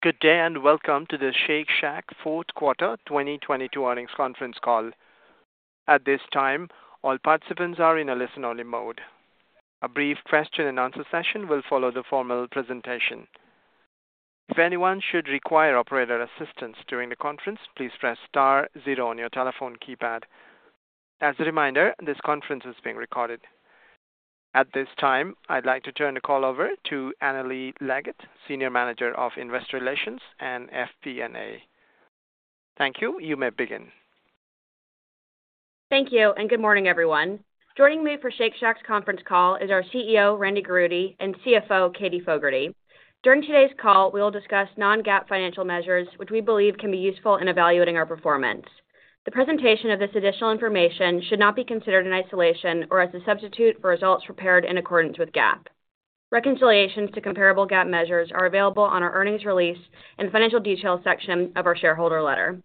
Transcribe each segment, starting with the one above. Good day and welcome to the Shake Shack fourth quarter 2022 earnings conference call. At this time, all participants are in a listen-only mode. A brief question-and-answer session will follow the formal presentation. If anyone should require operator assistance during the conference, please press star zero on your telephone keypad. As a reminder, this conference is being recorded. At this time, I'd like to turn the call over to Annalee Leggett, Senior Manager of Investor Relations & FP&A. Thank you. You may begin. Thank you. Good morning, everyone. Joining me for Shake Shack's conference call is our CEO, Randy Garutti, and CFO, Katie Fogertey. During today's call, we will discuss non-GAAP financial measures which we believe can be useful in evaluating our performance. The presentation of this additional information should not be considered in isolation or as a substitute for results prepared in accordance with GAAP. Reconciliations to comparable GAAP measures are available on our earnings release in the Financial Details section of our shareholder letter.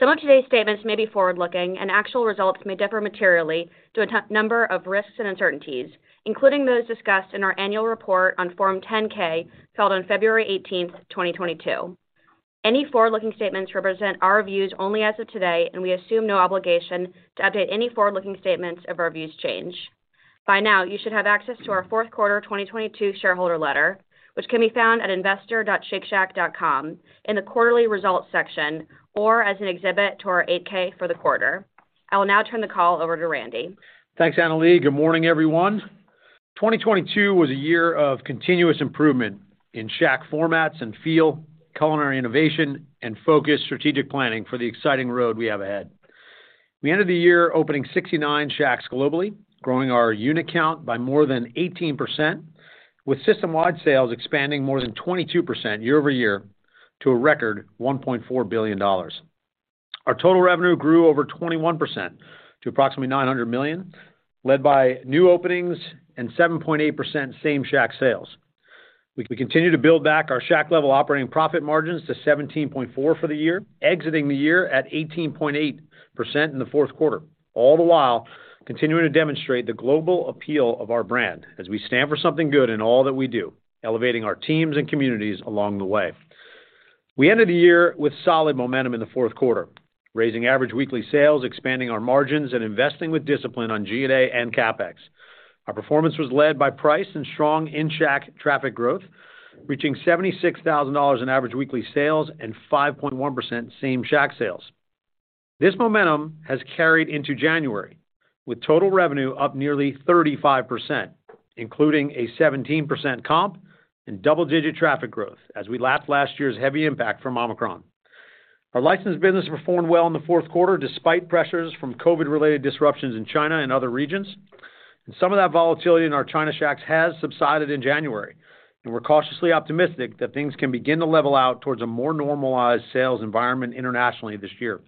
Some of today's statements may be forward-looking. Actual results may differ materially to a number of risks and uncertainties, including those discussed in our annual report on Form 10-K filed on February 18th, 2022. Any forward-looking statements represent our views only as of today. We assume no obligation to update any forward-looking statements if our views change. By now, you should have access to our fourth quarter 2022 shareholder letter, which can be found at investor.shakeshack.com in the Quarterly Results section or as an exhibit to our Form 8-K for the quarter. I will now turn the call over to Randy. Thanks, Annalee. Good morning everyone. 2022 was a year of continuous improvement in Shack formats and feel, culinary innovation, and focused strategic planning for the exciting road we have ahead. We ended the year opening 69 Shacks globally, growing our unit count by more than 18%, with system-wide sales expanding more than 22% year-over-year to a record $1.4 billion. Our total revenue grew over 21% to approximately $900 million, led by new openings and 7.8% Same-Shack sales. We continued to build back our Shack-level operating profit margins to 17.4% for the year, exiting the year at 18.8% in the fourth quarter, all the while continuing to demonstrate the global appeal of our brand as we stand for something good in all that we do, elevating our teams and communities along the way. We ended the year with solid momentum in the fourth quarter, raising average weekly sales, expanding our margins, and investing with discipline on G&A and CapEx. Our performance was led by price and strong in-Shack traffic growth, reaching $76,000 in average weekly sales and 5.1% Same-Shack sales. This momentum has carried into January, with total revenue up nearly 35%, including a 17% comp and double-digit traffic growth as we lapped last year's heavy impact from Omicron. Our licensed business performed well in the fourth quarter, despite pressures from COVID-related disruptions in China and other regions. Some of that volatility in our China Shacks has subsided in January, and we're cautiously optimistic that things can begin to level out towards a more normalized sales environment internationally this year.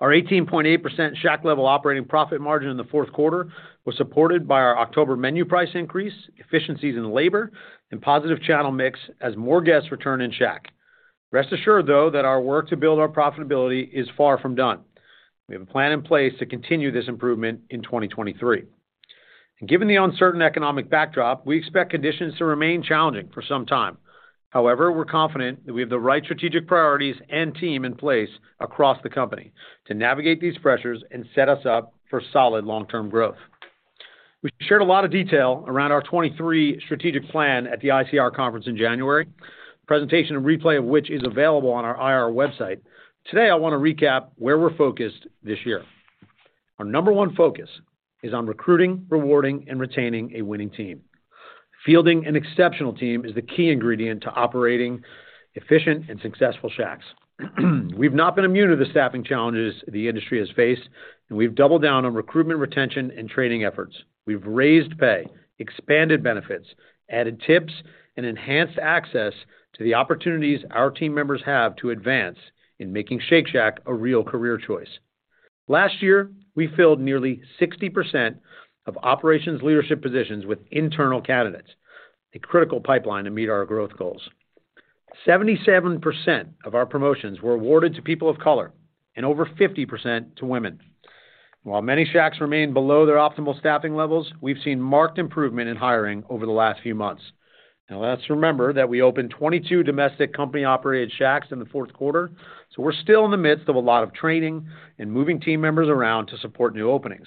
Our 18.8% Shack-level operating profit margin in the fourth quarter was supported by our October menu price increase, efficiencies in labor, and positive channel mix as more guests return in Shack. Rest assured, though, that our work to build our profitability is far from done. We have a plan in place to continue this improvement in 2023. Given the uncertain economic backdrop, we expect conditions to remain challenging for some time. We're confident that we have the right strategic priorities and team in place across the company to navigate these pressures and set us up for solid long-term growth. We shared a lot of detail around our 2023 strategic plan at the ICR Conference in January. Presentation and replay of which is available on our IR website. Today, I want to recap where we're focused this year. Our number one focus is on recruiting, rewarding, and retaining a winning team. Fielding an exceptional team is the key ingredient to operating efficient and successful Shacks. We've not been immune to the staffing challenges the industry has faced, and we've doubled down on recruitment, retention, and training efforts. We've raised pay, expanded benefits, added tips, and enhanced access to the opportunities our team members have to advance in making Shake Shack a real career choice. Last year, we filled nearly 60% of operations leadership positions with internal candidates, a critical pipeline to meet our growth goals. 77% of our promotions were awarded to people of color and over 50% to women. While many Shacks remain below their optimal staffing levels, we've seen marked improvement in hiring over the last few months. Let's remember that we opened 22 domestic company-operated Shacks in the fourth quarter, so we're still in the midst of a lot of training and moving team members around to support new openings.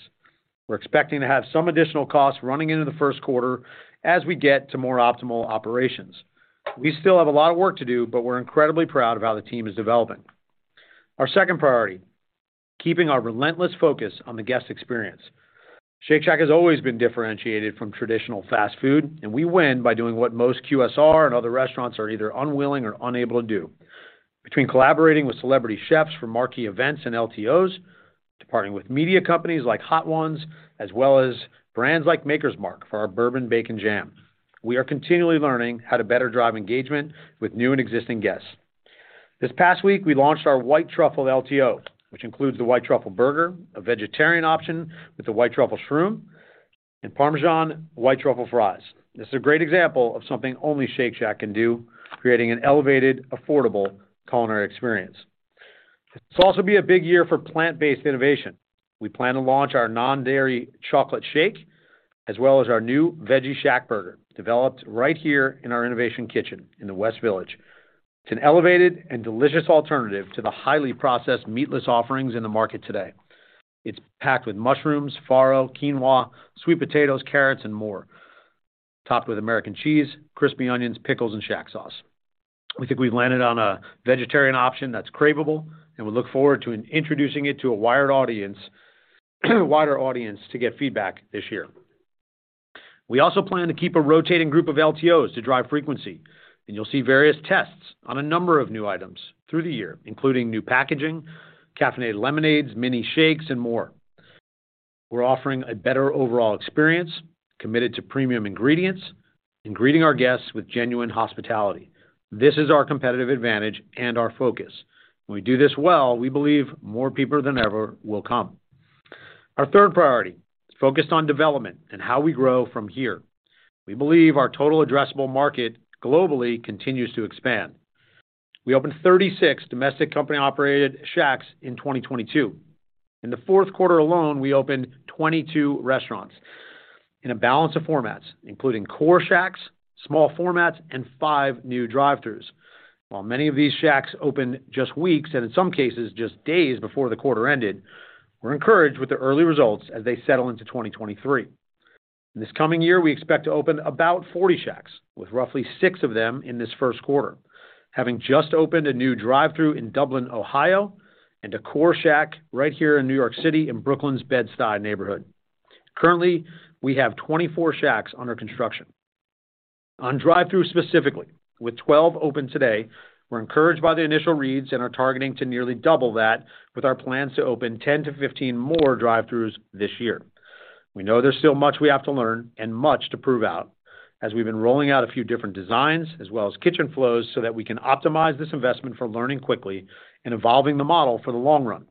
We're expecting to have some additional costs running into the first quarter as we get to more optimal operations. We still have a lot of work to do, but we're incredibly proud of how the team is developing. Our second priority, keeping our relentless focus on the guest experience. Shake Shack has always been differentiated from traditional fast food. We win by doing what most QSR and other restaurants are either unwilling or unable to do. Between collaborating with celebrity chefs for marquee events and LTOs, to partnering with media companies like Hot Ones, as well as brands like Maker's Mark for our Bourbon Bacon Jam. We are continually learning how to better drive engagement with new and existing guests. This past week, we launched our White Truffle LTO, which includes the White Truffle Burger, a vegetarian option with a White Truffle shroom, and Parmesan White Truffle Fries. This is a great example of something only Shake Shack can do, creating an elevated, affordable culinary experience. This will also be a big year for plant-based innovation. We plan to launch our Non-Dairy Chocolate Shake, as well as our new Veggie ShackBurger, developed right here in our innovation kitchen in the West Village. It's an elevated and delicious alternative to the highly processed meatless offerings in the market today. It's packed with mushrooms, farro, quinoa, sweet potatoes, carrots, and more. Topped with American cheese, crispy onions, pickles, and ShackSauce. We think we've landed on a vegetarian option that's craveable, and we look forward to introducing it to a wider audience to get feedback this year. We also plan to keep a rotating group of LTOs to drive frequency, and you'll see various tests on a number of new items through the year, including new packaging, caffeinated lemonades, mini shakes, and more. We're offering a better overall experience, committed to premium ingredients, and greeting our guests with genuine hospitality. This is our competitive advantage and our focus. If we do this well, we believe more people than ever will come. Our third priority is focused on development and how we grow from here. We believe our total addressable market globally continues to expand. We opened 36 domestic company-operated Shacks in 2022. In the fourth quarter alone, we opened 22 restaurants in a balance of formats, including core Shacks, small formats, and five new drive-thrus. While many of these Shacks opened just weeks and in some cases, just days before the quarter ended, we're encouraged with the early results as they settle into 2023. This coming year, we expect to open about 40 Shacks, with roughly six of them in this first quarter. Having just opened a new drive-thru in Dublin, Ohio, and a core Shack right here in New York City in Brooklyn's Bed-Stuy neighborhood. Currently, we have 24 Shacks under construction. On drive-thru specifically, with 12 open today, we're encouraged by the initial reads and are targeting to nearly double that with our plans to open 10-15 more drive-thrus this year. We know there's still much we have to learn and much to prove out as we've been rolling out a few different designs as well as kitchen flows so that we can optimize this investment for learning quickly and evolving the model for the long run.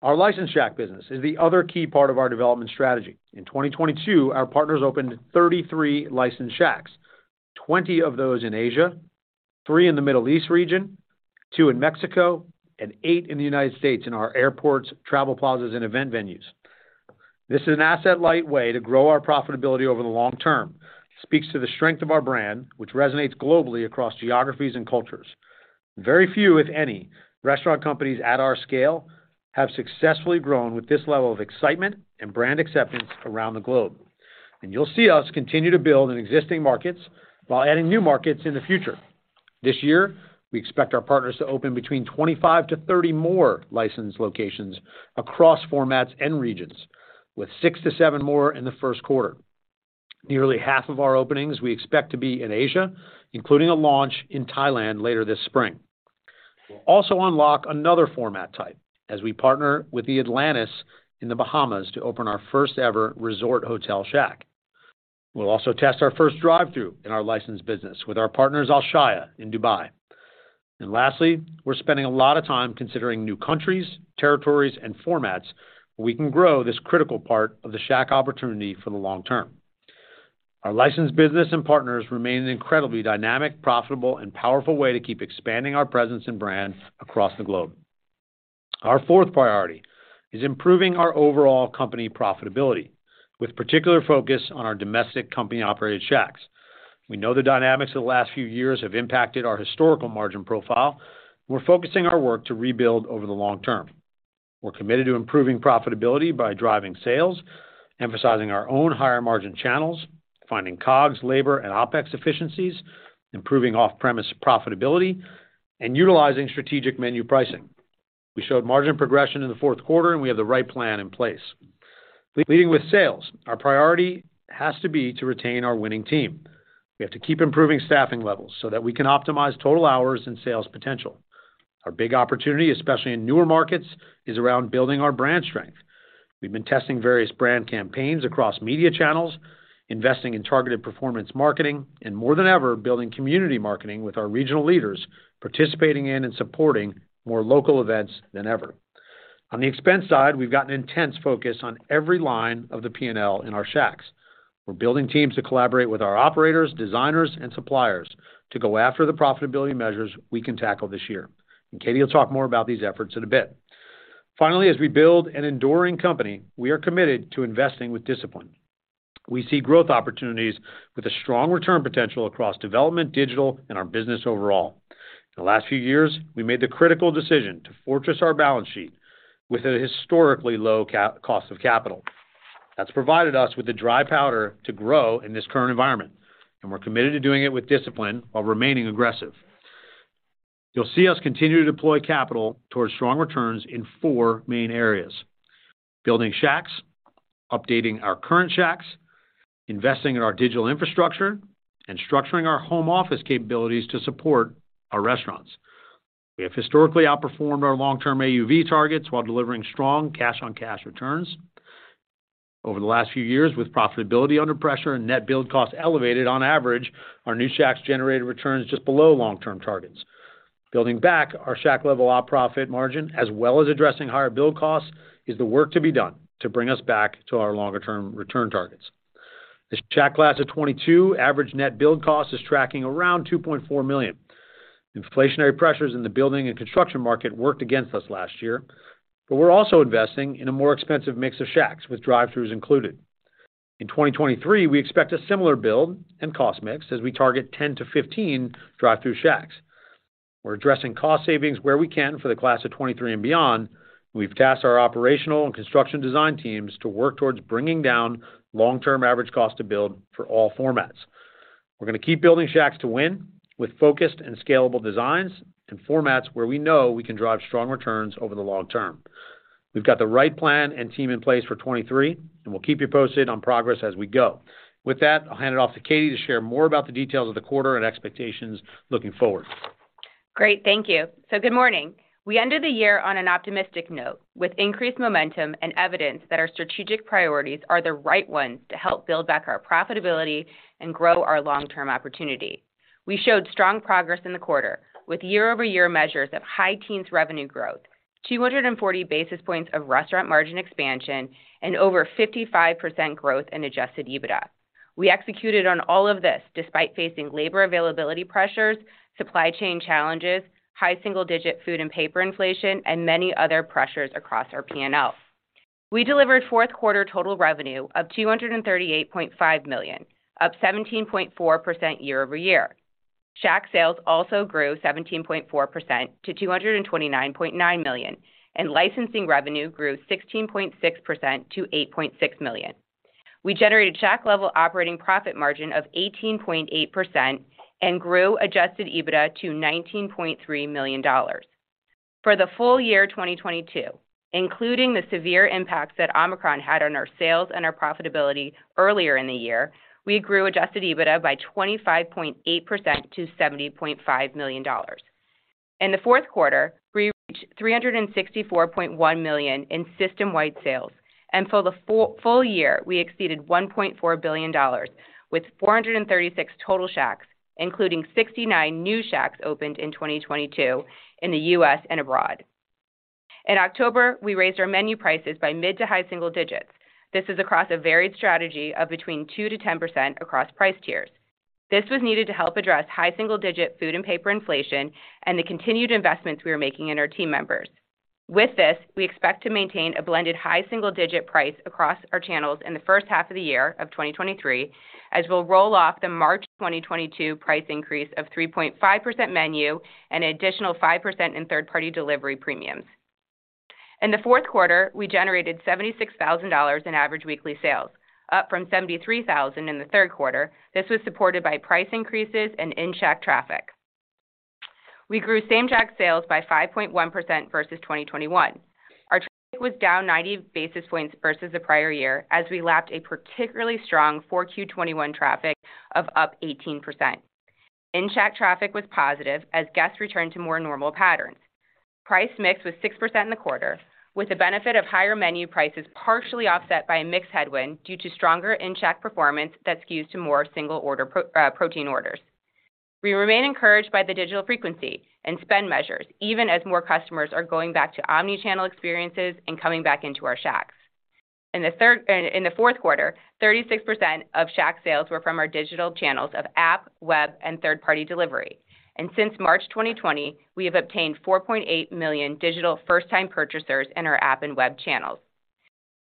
Our licensed Shack business is the other key part of our development strategy. In 2022, our partners opened 33 licensed Shacks, 20 of those in Asia, three in the Middle East region, two in Mexico, and eight in the U.S. in our airports, travel plazas, and event venues. This is an asset-light way to grow our profitability over the long term. Speaks to the strength of our brand, which resonates globally across geographies and cultures. Very few, if any, restaurant companies at our scale have successfully grown with this level of excitement and brand acceptance around the globe. You'll see us continue to build in existing markets while adding new markets in the future. This year, we expect our partners to open between 25-30 more licensed locations across formats and regions, with 6-7 more in the first quarter. Nearly half of our openings we expect to be in Asia, including a launch in Thailand later this spring. We'll also unlock another format type as we partner with the Atlantis in the Bahamas to open our first-ever resort hotel Shack. We'll also test our first drive-thru in our licensed business with our partners, Alshaya, in Dubai. Lastly, we're spending a lot of time considering new countries, territories, and formats we can grow this critical part of the Shack opportunity for the long term. Our licensed business and partners remain an incredibly dynamic, profitable, and powerful way to keep expanding our presence and brand across the globe. Our fourth priority is improving our overall company profitability, with particular focus on our domestic company-operated Shacks. We know the dynamics of the last few years have impacted our historical margin profile. We're focusing our work to rebuild over the long term. We're committed to improving profitability by driving sales, emphasizing our own higher margin channels, finding COGS, labor, and OpEx efficiencies, improving off-premise profitability, and utilizing strategic menu pricing. We showed margin progression in the fourth quarter, and we have the right plan in place. Leading with sales, our priority has to be to retain our winning team. We have to keep improving staffing levels so that we can optimize total hours and sales potential. Our big opportunity, especially in newer markets, is around building our brand strength. We've been testing various brand campaigns across media channels, investing in targeted performance marketing, and more than ever, building community marketing with our regional leaders, participating in and supporting more local events than ever. On the expense side, we've got an intense focus on every line of the P&L in our Shacks. We're building teams to collaborate with our operators, designers, and suppliers to go after the profitability measures we can tackle this year. Katie will talk more about these efforts in a bit. Finally, as we build an enduring company, we are committed to investing with discipline. We see growth opportunities with a strong return potential across development, digital, and our business overall. In the last few years, we made the critical decision to fortress our balance sheet with a historically low cost of capital. That's provided us with the dry powder to grow in this current environment. We're committed to doing it with discipline while remaining aggressive. You'll see us continue to deploy capital towards strong returns in four main areas: building Shacks, updating our current Shacks, investing in our digital infrastructure, and structuring our home office capabilities to support our restaurants. We have historically outperformed our long-term AUV targets while delivering strong cash-on-cash returns. Over the last few years, with profitability under pressure and net build costs elevated on average, our new Shacks generated returns just below long-term targets. Building back our Shack-level op profit margin, as well as addressing higher build costs, is the work to be done to bring us back to our longer-term return targets. The Shack class of 2022 average net build cost is tracking around $2.4 million. Inflationary pressures in the building and construction market worked against us last year, but we're also investing in a more expensive mix of Shacks with drive-thrus included. In 2023, we expect a similar build and cost mix as we target 10-15 drive-thru Shacks. We're addressing cost savings where we can for the class of 2023 and beyond. We've tasked our operational and construction design teams to work towards bringing down long-term average cost to build for all formats. We're gonna keep building Shacks to win with focused and scalable designs and formats where we know we can drive strong returns over the long term. We've got the right plan and team in place for 2023. We'll keep you posted on progress as we go. With that, I'll hand it off to Katie to share more about the details of the quarter and expectations looking forward. Great. Thank you. Good morning. We ended the year on an optimistic note with increased momentum and evidence that our strategic priorities are the right ones to help build back our profitability and grow our long-term opportunity. We showed strong progress in the quarter with year-over-year measures of high teens revenue growth, 240 basis points of restaurant margin expansion, and over 55% growth in Adjusted EBITDA. We executed on all of this despite facing labor availability pressures, supply chain challenges, high single digit food and paper inflation, and many other pressures across our P&L. We delivered fourth quarter total revenue of $238.5 million, up 17.4% year-over-year. Shack sales also grew 17.4% to $229.9 million, and licensing revenue grew 16.6% to $8.6 million. We generated Shack level operating profit margin of 18.8% and grew Adjusted EBITDA to $19.3 million. For the full year 2022, including the severe impacts that Omicron had on our sales and our profitability earlier in the year, we grew Adjusted EBITDA by 25.8% to $70.5 million. In the fourth quarter, we reached $364.1 million in system-wide sales. For the full year, we exceeded $1.4 billion with 436 total Shacks, including 69 new Shacks opened in 2022 in the U.S. and abroad. In October, we raised our menu prices by mid to high single digits. This is across a varied strategy of between 2%-10% across price tiers. This was needed to help address high single-digit food and paper inflation and the continued investments we are making in our team members. With this, we expect to maintain a blended high single-digit price across our channels in the first half of 2023, as we'll roll off the March 2022 price increase of 3.5% menu and additional 5% in third-party delivery premiums. In the fourth quarter, we generated $76,000 in average weekly sales, up from $73,000 in the third quarter. This was supported by price increases and in-Shack traffic. We grew Same-Shack sales by 5.1% versus 2021. Our traffic was down 90 basis points versus the prior year as we lapped a particularly strong 4Q 2021 traffic of up 18%. In-Shack traffic was positive as guests returned to more normal patterns. Price mix was 6% in the quarter, with the benefit of higher menu prices partially offset by a mix headwind due to stronger in-Shack performance that skews to more single order protein orders. We remain encouraged by the digital frequency and spend measures even as more customers are going back to omni-channel experiences and coming back into our Shacks. In the fourth quarter, 36% of Shack sales were from our digital channels of app, web, and third-party delivery. Since March 2020, we have obtained 4.8 million digital first-time purchasers in our app and web channels.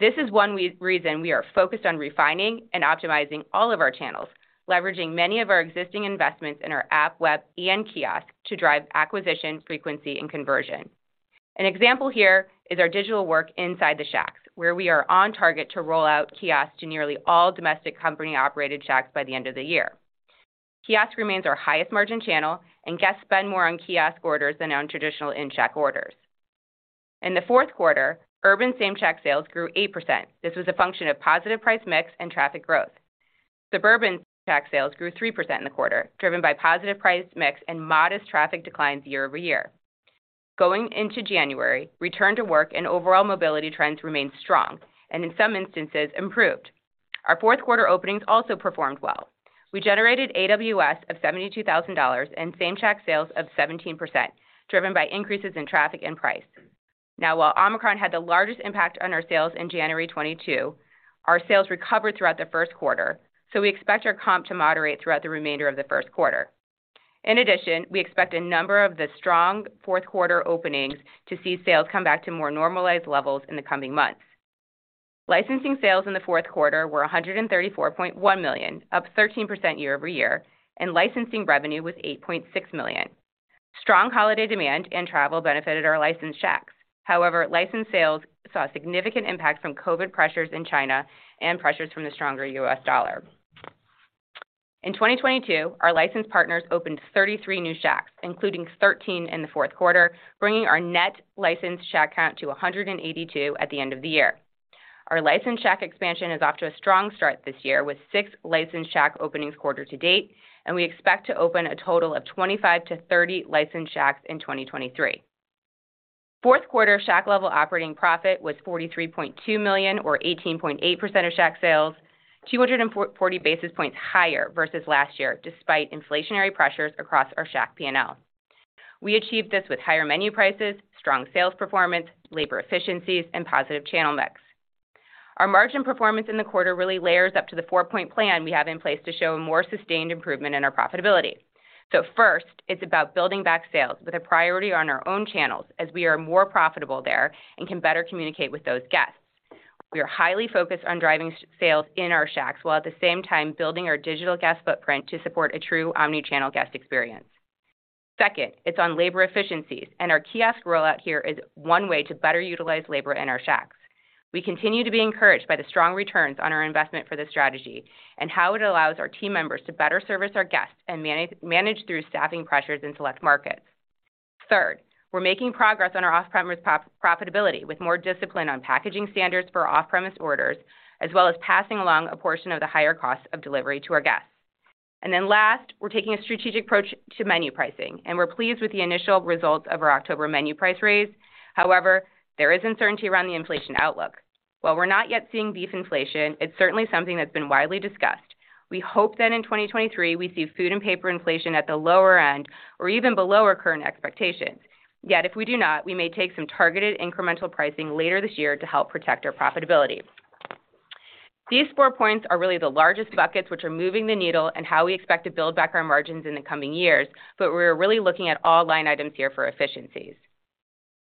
This is one reason we are focused on refining and optimizing all of our channels, leveraging many of our existing investments in our app, web, and kiosk to drive acquisition, frequency, and conversion. An example here is our digital work inside the Shacks, where we are on target to roll out kiosks to nearly all domestic company-operated Shacks by the end of the year. Kiosk remains our highest margin channel, and guests spend more on kiosk orders than on traditional in-Shack orders. In the fourth quarter, urban Same-Shack sales grew 8%. This was a function of positive price mix and traffic growth. Suburban Shack sales grew 3% in the quarter, driven by positive price mix and modest traffic declines year-over-year. Into January, return to work and overall mobility trends remained strong and in some instances, improved. Our fourth quarter openings also performed well. We generated AWS of $72,000 and Same-Shack sales of 17%, driven by increases in traffic and price. While Omicron had the largest impact on our sales in January 2022, our sales recovered throughout the first quarter. We expect our comp to moderate throughout the remainder of the first quarter. In addition, we expect a number of the strong fourth quarter openings to see sales come back to more normalized levels in the coming months. Licensing sales in the fourth quarter were $134.1 million, up 13% year-over-year, and licensing revenue was $8.6 million. Strong holiday demand and travel benefited our licensed Shacks. However, licensed sales saw significant impact from COVID pressures in China and pressures from the stronger US dollar. In 2022, our licensed partners opened 33 new Shacks, including 13 in the fourth quarter, bringing our net licensed Shack count to 182 at the end of the year. Our licensed Shack expansion is off to a strong start this year with six licensed Shack openings quarter to date, and we expect to open a total of 25-30 licensed Shacks in 2023. Fourth quarter Shack-level operating profit was $43.2 million or 18.8% of Shack sales, 240 basis points higher versus last year, despite inflationary pressures across our Shack P&L. We achieved this with higher menu prices, strong sales performance, labor efficiencies, and positive channel mix. Our margin performance in the quarter really layers up to the four-point plan we have in place to show a more sustained improvement in our profitability. First, it's about building back sales with a priority on our own channels as we are more profitable there and can better communicate with those guests. We are highly focused on driving sales in our Shacks while at the same time building our digital guest footprint to support a true omni-channel guest experience. Second, it's on labor efficiencies, and our kiosk rollout here is one way to better utilize labor in our Shacks. We continue to be encouraged by the strong returns on our investment for this strategy and how it allows our team members to better service our guests and manage through staffing pressures in select markets. Third, we're making progress on our off-premise profitability with more discipline on packaging standards for our off-premise orders, as well as passing along a portion of the higher cost of delivery to our guests. Last, we're taking a strategic approach to menu pricing, and we're pleased with the initial results of our October menu price raise. However, there is uncertainty around the inflation outlook. While we're not yet seeing beef inflation, it's certainly something that's been widely discussed. We hope that in 2023 we see food and paper inflation at the lower end or even below our current expectations. If we do not, we may take some targeted incremental pricing later this year to help protect our profitability. These four points are really the largest buckets which are moving the needle and how we expect to build back our margins in the coming years, we're really looking at all line items here for efficiencies.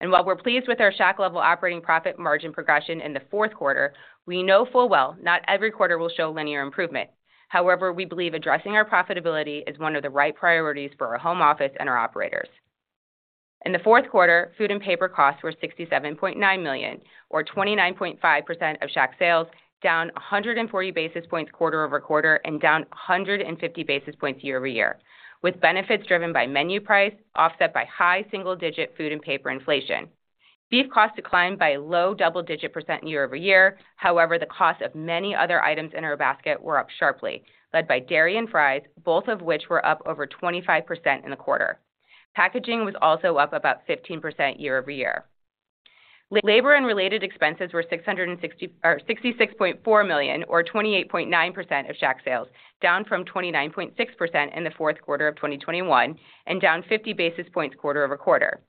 While we're pleased with our Shack-level operating profit margin progression in the fourth quarter, we know full well not every quarter will show linear improvement. However, we believe addressing our profitability is one of the right priorities for our home office and our operators. In the fourth quarter, food and paper costs were $67.9 million or 29.5% of Shack sales, down 140 basis points quarter-over-quarter and down 150 basis points year-over-year, with benefits driven by menu price offset by high single-digit food and paper inflation. Beef costs declined by low double-digit percent year-over-year. However, the cost of many other items in our basket were up sharply, led by dairy and fries, both of which were up over 25% in the quarter. Packaging was also up about 15% year-over-year. Labor and related expenses were $66.4 million, or 28.9% of Shack sales, down from 29.6% in the fourth quarter of 2021 and down 50 basis points quarter-over-quarter.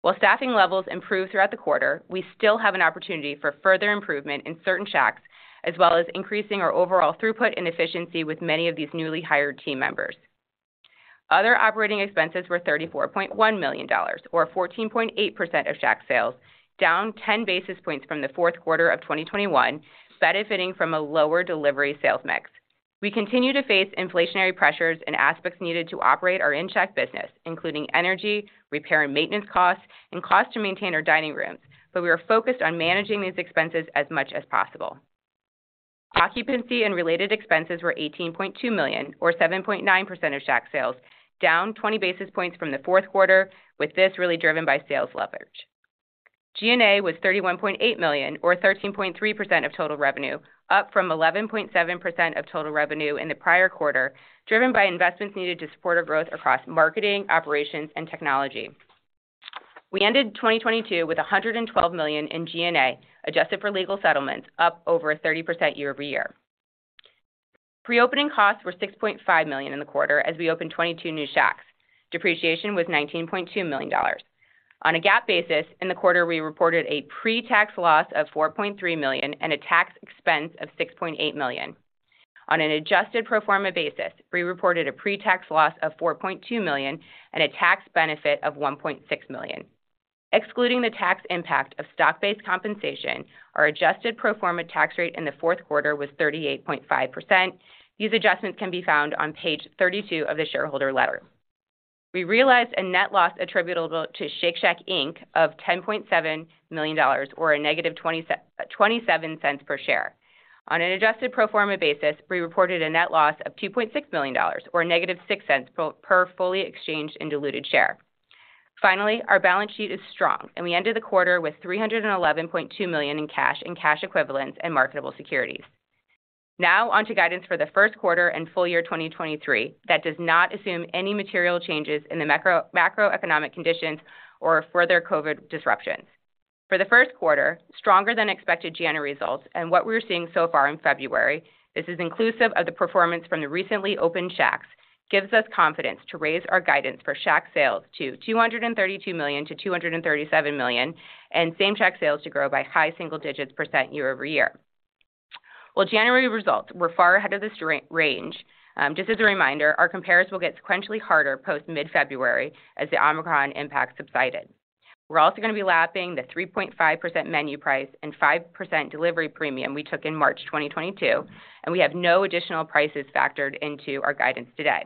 While staffing levels improved throughout the quarter, we still have an opportunity for further improvement in certain Shacks, as well as increasing our overall throughput and efficiency with many of these newly hired team members. Other operating expenses were $34.1 million or 14.8% of Shack sales, down 10 basis points from the fourth quarter of 2021, benefiting from a lower delivery sales mix. We continue to face inflationary pressures in aspects needed to operate our in-Shack business, including energy, repair and maintenance costs, and cost to maintain our dining rooms. We are focused on managing these expenses as much as possible. Occupancy and related expenses were $18.2 million or 7.9% of Shack sales, down 20 basis points from the fourth quarter, with this really driven by sales leverage. G&A was $31.8 million or 13.3% of total revenue, up from 11.7% of total revenue in the prior quarter, driven by investments needed to support our growth across marketing, operations, and technology. We ended 2022 with $112 million in G&A, adjusted for legal settlements, up over 30% year-over-year. Pre-opening costs were $6.5 million in the quarter as we opened 22 new Shacks. Depreciation was $19.2 million. On a GAAP basis, in the quarter, we reported a pre-tax loss of $4.3 million and a tax expense of $6.8 million. On an adjusted pro forma basis, we reported a pre-tax loss of $4.2 million and a tax benefit of $1.6 million. Excluding the tax impact of stock-based compensation, our adjusted pro forma tax rate in the fourth quarter was 38.5%. These adjustments can be found on page 32 of the shareholder letter. We realized a net loss attributable to Shake Shack Inc. of $10.7 million or a negative $0.27 per share. On an adjusted pro forma basis, we reported a net loss of $2.6 million or a -$0.06 per fully exchanged and diluted share. Our balance sheet is strong, and we ended the quarter with $311.2 million in cash and cash equivalents and marketable securities. On to guidance for the first quarter and full year 2023. That does not assume any material changes in macroeconomic conditions or further Covid disruptions. Stronger than expected January results and what we're seeing so far in February, this is inclusive of the performance from the recently opened Shacks, gives us confidence to raise our guidance for Shack sales to $232 million-$237 million and same Shack sales to grow by high single digits% year-over-year. January results were far ahead of this range, just as a reminder, our compares will get sequentially harder post mid-February as the Omicron impact subsided. We're also going to be lapping the 3.5% menu price and 5% delivery premium we took in March 2022, and we have no additional prices factored into our guidance today.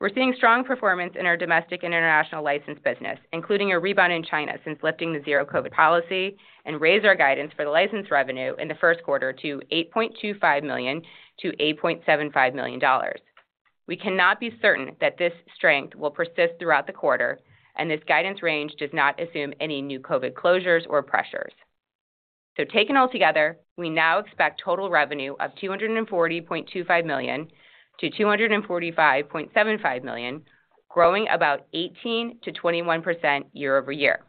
We're seeing strong performance in our domestic and international licensed business, including a rebound in China since lifting the zero COVID policy. We raise our guidance for the license revenue in the first quarter to $8.25 million-$8.75 million. We cannot be certain that this strength will persist throughout the quarter. This guidance range does not assume any new COVID closures or pressures. Taken altogether, we now expect total revenue of $240.25 million-$245.75 million, growing about 18%-21% year-over-year.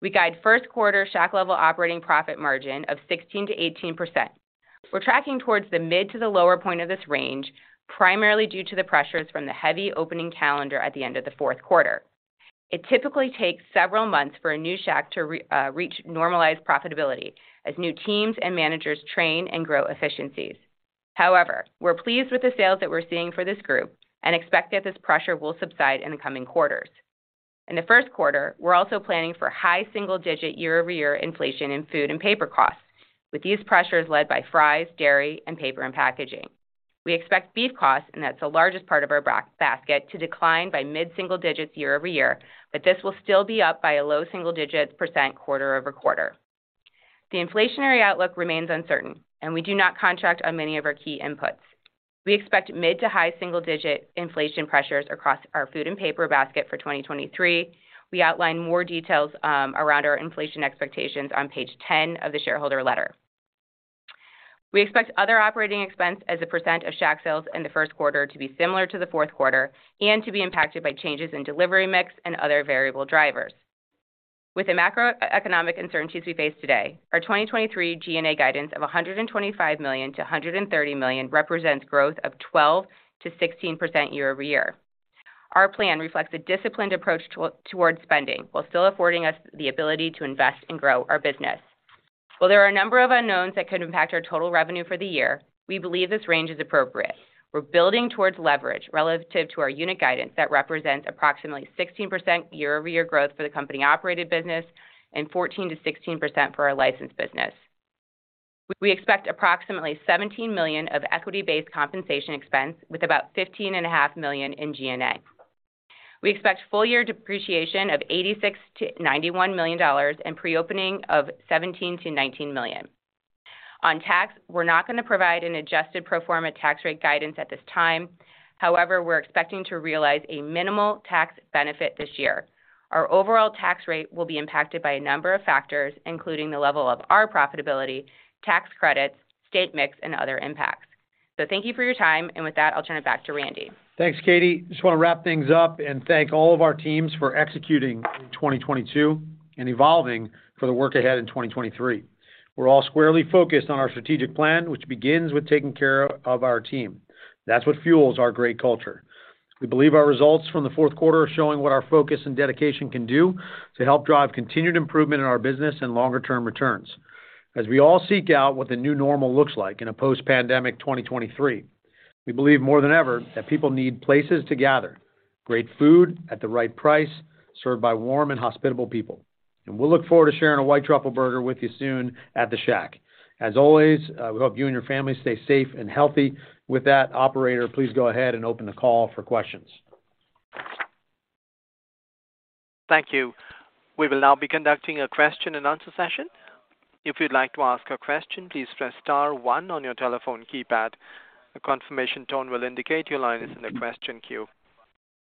We guide first quarter Shack-level operating profit margin of 16%-18%. We're tracking towards the mid to the lower point of this range, primarily due to the pressures from the heavy opening calendar at the end of the fourth quarter. It typically takes several months for a new Shack to reach normalized profitability as new teams and managers train and grow efficiencies. However, we're pleased with the sales that we're seeing for this group and expect that this pressure will subside in the coming quarters. In the first quarter, we're also planning for high single digit year-over-year inflation in food and paper costs. With these pressures led by fries, dairy, and paper and packaging. We expect beef costs, and that's the largest part of our basket, to decline by mid-single digits year-over-year. This will still be up by a low single digits percent quarter-over-quarter. The inflationary outlook remains uncertain. We do not contract on many of our key inputs. We expect mid to high single-digit inflation pressures across our food and paper basket for 2023. We outline more details around our inflation expectations on page 10 of the shareholder letter. We expect other operating expense as a percent of Shack sales in the first quarter to be similar to the fourth quarter and to be impacted by changes in delivery mix and other variable drivers. With the macroeconomic uncertainties we face today, our 2023 G&A guidance of $125 million-$130 million represents growth of 12%-16% year-over-year. Our plan reflects a disciplined approach towards spending while still affording us the ability to invest and grow our business. While there are a number of unknowns that could impact our total revenue for the year, we believe this range is appropriate. We're building towards leverage relative to our unit guidance that represents approximately 16% year-over-year growth for the company-operated business and 14%-16% for our licensed business. We expect approximately $17 million of equity-based compensation expense with about $15.5 million in G&A. We expect full year depreciation of $86 million-$91 million and pre-opening of $17 million-$19 million. On tax, we're not gonna provide an adjusted pro forma tax rate guidance at this time. However, we're expecting to realize a minimal tax benefit this year. Our overall tax rate will be impacted by a number of factors, including the level of our profitability, tax credits, state mix, and other impacts. Thank you for your time, and with that, I'll turn it back to Randy. Thanks, Katie. Just want to wrap things up and thank all of our teams for executing in 2022 and evolving for the work ahead in 2023. We're all squarely focused on our strategic plan, which begins with taking care of our team. That's what fuels our great culture. We believe our results from the fourth quarter are showing what our focus and dedication can do to help drive continued improvement in our business and longer-term returns. As we all seek out what the new normal looks like in a post-pandemic 2023, we believe more than ever that people need places to gather, great food at the right price, served by warm and hospitable people. We'll look forward to sharing a White Truffle Burger with you soon at the Shack. As always, we hope you and your family stay safe and healthy. With that, operator, please go ahead and open the call for questions. Thank you. We will now be conducting a question and answer session. If you'd like to ask a question, please press star one on your telephone keypad. A confirmation tone will indicate your line is in the question queue.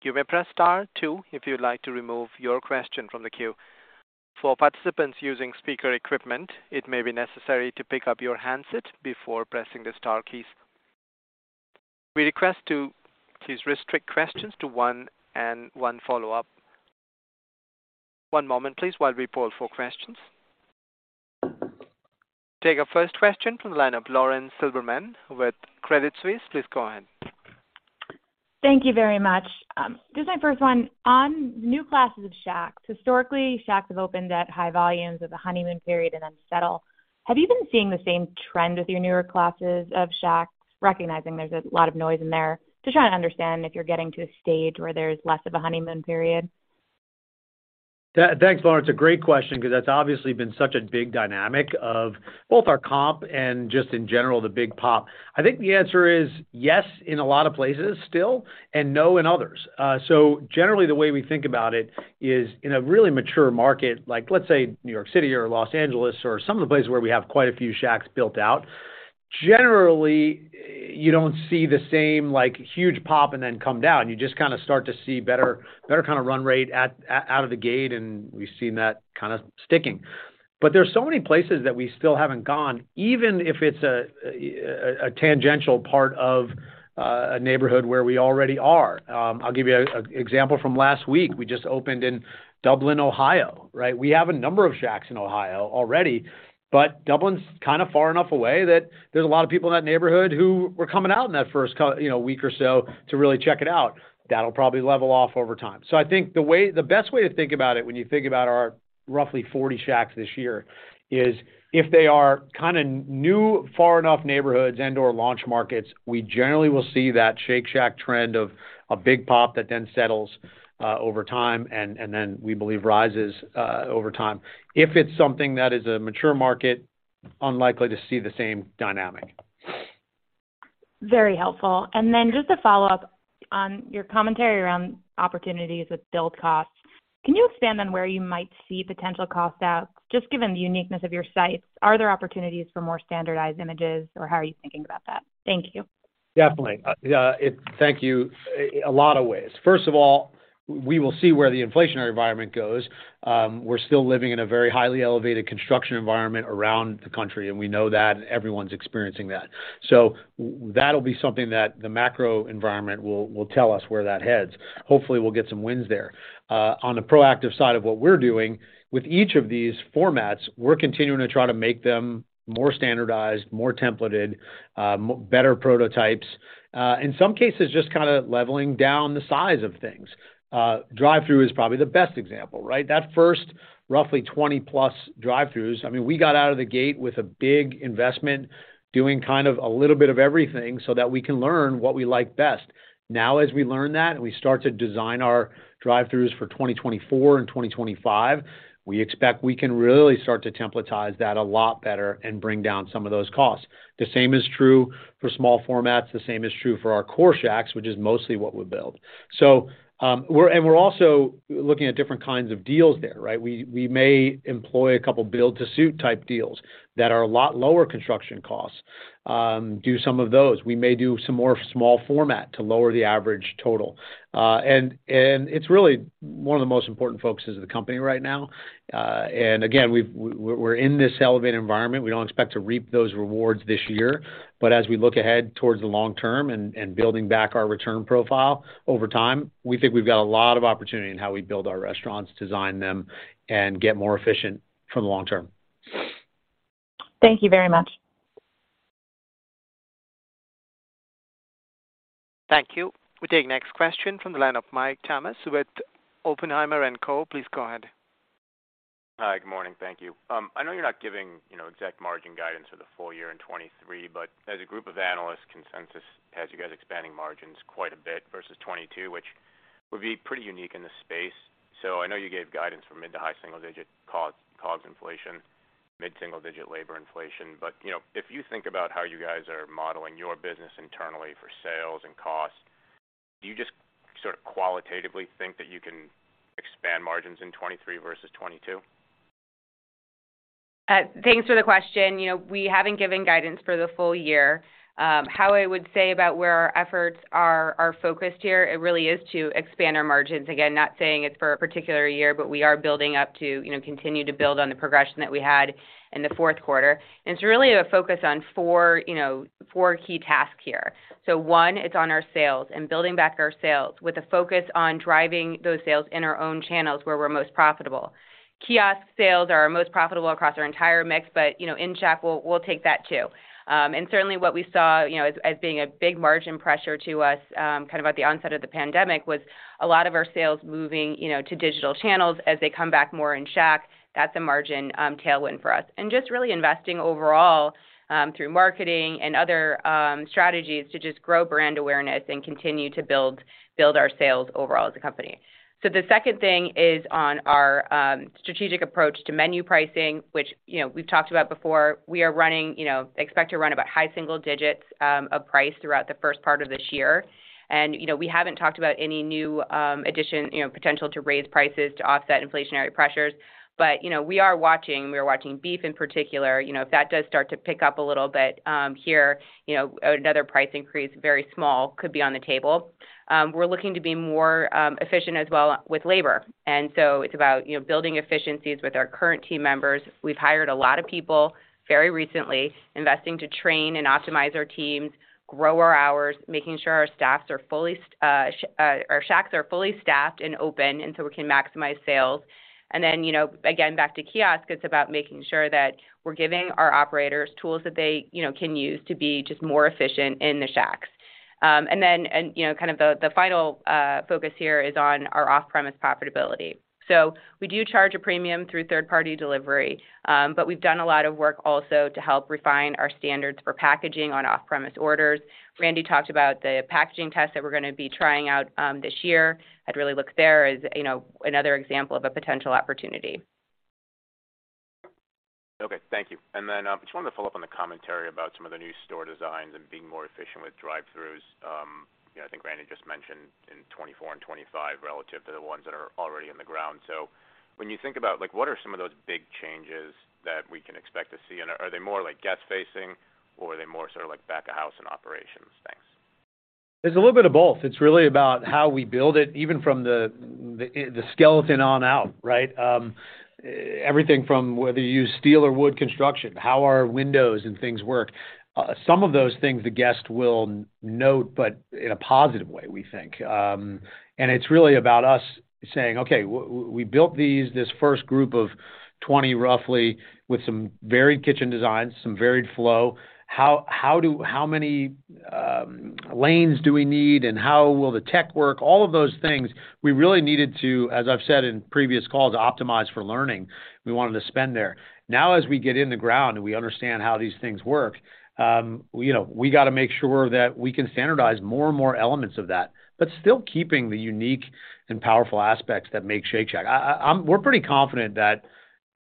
You may press star two if you'd like to remove your question from the queue. For participants using speaker equipment, it may be necessary to pick up your handset before pressing the star keys. We request to please restrict questions to one and one follow-up. One moment, please, while we pull for questions. Take our first question from the line of Lauren Silberman with Credit Suisse. Please go ahead. Thank you very much. Just my first one. On new classes of Shacks, historically, Shacks have opened at high volumes with a honeymoon period and then settle. Have you been seeing the same trend with your newer classes of Shacks, recognizing there's a lot of noise in there? Just trying to understand if you're getting to a stage where there's less of a honeymoon period. Thanks, Lauren. It's a great question 'cause that's obviously been such a big dynamic of both our comp and just in general, the big pop. I think the answer is yes, in a lot of places still, and no in others. Generally, the way we think about it is in a really mature market, like let's say N.Y. City or L.A. or some of the places where we have quite a few Shacks built out, generally, you don't see the same, like, huge pop and then come down. You just kinda start to see better kinda run rate out of the gate, and we've seen that kinda sticking. There's so many places that we still haven't gone, even if it's a tangential part of a neighborhood where we already are. I'll give you an example from last week. We just opened in Dublin, Ohio, right? We have a number of Shacks in Ohio already, but Dublin's kind of far enough away that there's a lot of people in that neighborhood who were coming out in that first you know, week or so to really check it out. That'll probably level off over time. I think the best way to think about it when you think about our roughly 40 Shacks this year is if they are kinda new, far enough neighborhoods and/or launch markets, we generally will see that Shake Shack trend of a big pop that then settles over time, and then we believe rises over time. If it's something that is a mature market, unlikely to see the same dynamic. Very helpful. Then just a follow-up on your commentary around opportunities with build costs. Can you expand on where you might see potential cost outs, just given the uniqueness of your sites? Are there opportunities for more standardized images, or how are you thinking about that? Thank you. Definitely. Yeah, thank you. A lot of ways. First of all, we will see where the inflationary environment goes. We're still living in a very highly elevated construction environment around the country, and we know that everyone's experiencing that. That'll be something that the macro environment will tell us where that heads. Hopefully, we'll get some wins there. On the proactive side of what we're doing, with each of these formats, we're continuing to try to make them more standardized, more templated, better prototypes. In some cases, just kinda leveling down the size of things. Drive-thru is probably the best example, right? That first roughly 20+ drive-thrus, I mean, we got out of the gate with a big investment, doing kind of a little bit of everything so that we can learn what we like best. As we learn that and we start to design our drive-thrus for 2024 and 2025, we expect we can really start to templatize that a lot better and bring down some of those costs. The same is true for small formats. The same is true for our core Shacks, which is mostly what we build. We're also looking at different kinds of deals there, right? We may employ a couple build-to-suit type deals that are a lot lower construction costs, do some of those. We may do some more small format to lower the average total. And it's really one of the most important focuses of the company right now. And again, we're in this elevated environment. We don't expect to reap those rewards this year. As we look ahead towards the long term and building back our return profile over time, we think we've got a lot of opportunity in how we build our restaurants, design them, and get more efficient for the long term. Thank you very much. Thank you. We take next question from the line of Mike Tamas with Oppenheimer & Co. Please go ahead. Hi. Good morning. Thank you. I know you're not giving, you know, exact margin guidance for the full year in 2023, as a group of analysts, consensus has you guys expanding margins quite a bit versus 2022, which would be pretty unique in this space. I know you gave guidance for mid to high single-digit COGS inflation, mid-single-digit labor inflation. You know, if you think about how you guys are modeling your business internally for sales and cost, do you just sort of qualitatively think that you can expand margins in 2023 versus 2022? Thanks for the question. You know, we haven't given guidance for the full year. How I would say about where our efforts are focused here, it really is to expand our margins. Again, not saying it's for a particular year, but we are building up to, you know, continue to build on the progression that we had in the fourth quarter. It's really a focus on four, you know, four key tasks here. One, it's on our sales and building back our sales with a focus on driving those sales in our own channels where we're most profitable. Kiosk sales are our most profitable across our entire mix, but, you know, in-Shack, we'll take that too. Certainly what we saw as being a big margin pressure to us, kind of at the onset of the pandemic was a lot of our sales moving to digital channels as they come back more in-Shack, that's a margin tailwind for us. Just really investing overall through marketing and other strategies to just grow brand awareness and continue to build our sales overall as a company. The second thing is on our strategic approach to menu pricing, which we've talked about before. We are running, expect to run about high single digits of price throughout the first part of this year. We haven't talked about any new addition, potential to raise prices to offset inflationary pressures. We are watching. We are watching beef in particular. You know, if that does start to pick up a little bit, here, you know, another price increase, very small, could be on the table. We're looking to be more efficient as well with labor. It's about, you know, building efficiencies with our current team members. We've hired a lot of people very recently, investing to train and optimize our teams, grow our hours, making sure our Shacks are fully staffed and open, we can maximize sales. Then, you know, again, back to kiosk, it's about making sure that we're giving our operators tools that they, you know, can use to be just more efficient in the Shacks. Then, you know, kind of the final focus here is on our off-premise profitability. We do charge a premium through third-party delivery, but we've done a lot of work also to help refine our standards for packaging on off-premise orders. Randy talked about the packaging tests that we're going to be trying out this year. I'd really look there as, you know, another example of a potential opportunity. Okay. Thank you. Just wanted to follow up on the commentary about some of the new store designs and being more efficient with drive-thrus. You know, I think Randy just mentioned in 2024 and 2025 relative to the ones that are already in the ground. When you think about, like, what are some of those big changes that we can expect to see? Are they more like guest facing or are they more sort of like back of house and operations? Thanks. It's a little bit of both. It's really about how we build it, even from the skeleton on out, right? Everything from whether you use steel or wood construction, how our windows and things work. Some of those things the guest will note, but in a positive way, we think. It's really about us saying, "Okay, and we built these, this first group of 20 roughly with some varied kitchen designs, some varied flow. How many lanes do we need and how will the tech work?" All of those things we really needed to, as I've said in previous calls, optimize for learning. We wanted to spend there. Now as we get in the ground and we understand how these things work, you know, we got to make sure that we can standardize more and more elements of that, but still keeping the unique and powerful aspects that make Shake Shack. We're pretty confident that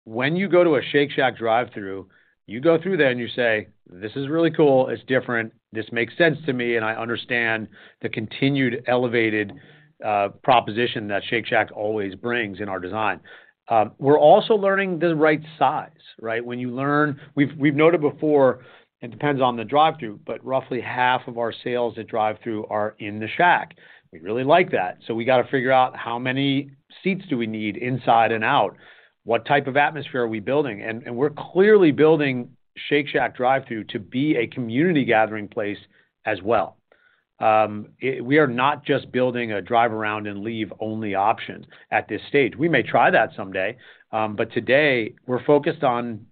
when you go to a Shake Shack drive-thru, you go through there and you say, "This is really cool. It's different. This makes sense to me, and I understand the continued elevated proposition that Shake Shack always brings in our design." We're also learning the right size, right? When you learn... We've noted before, it depends on the drive-thru, but roughly half of our sales at drive-thru are in the shack. We really like that. We gotta figure out how many seats do we need inside and out, what type of atmosphere are we building? We're clearly building Shake Shack drive-thru to be a community gathering place as well. We are not just building a drive around and leave only option at this stage. We may try that someday. Today we're focused on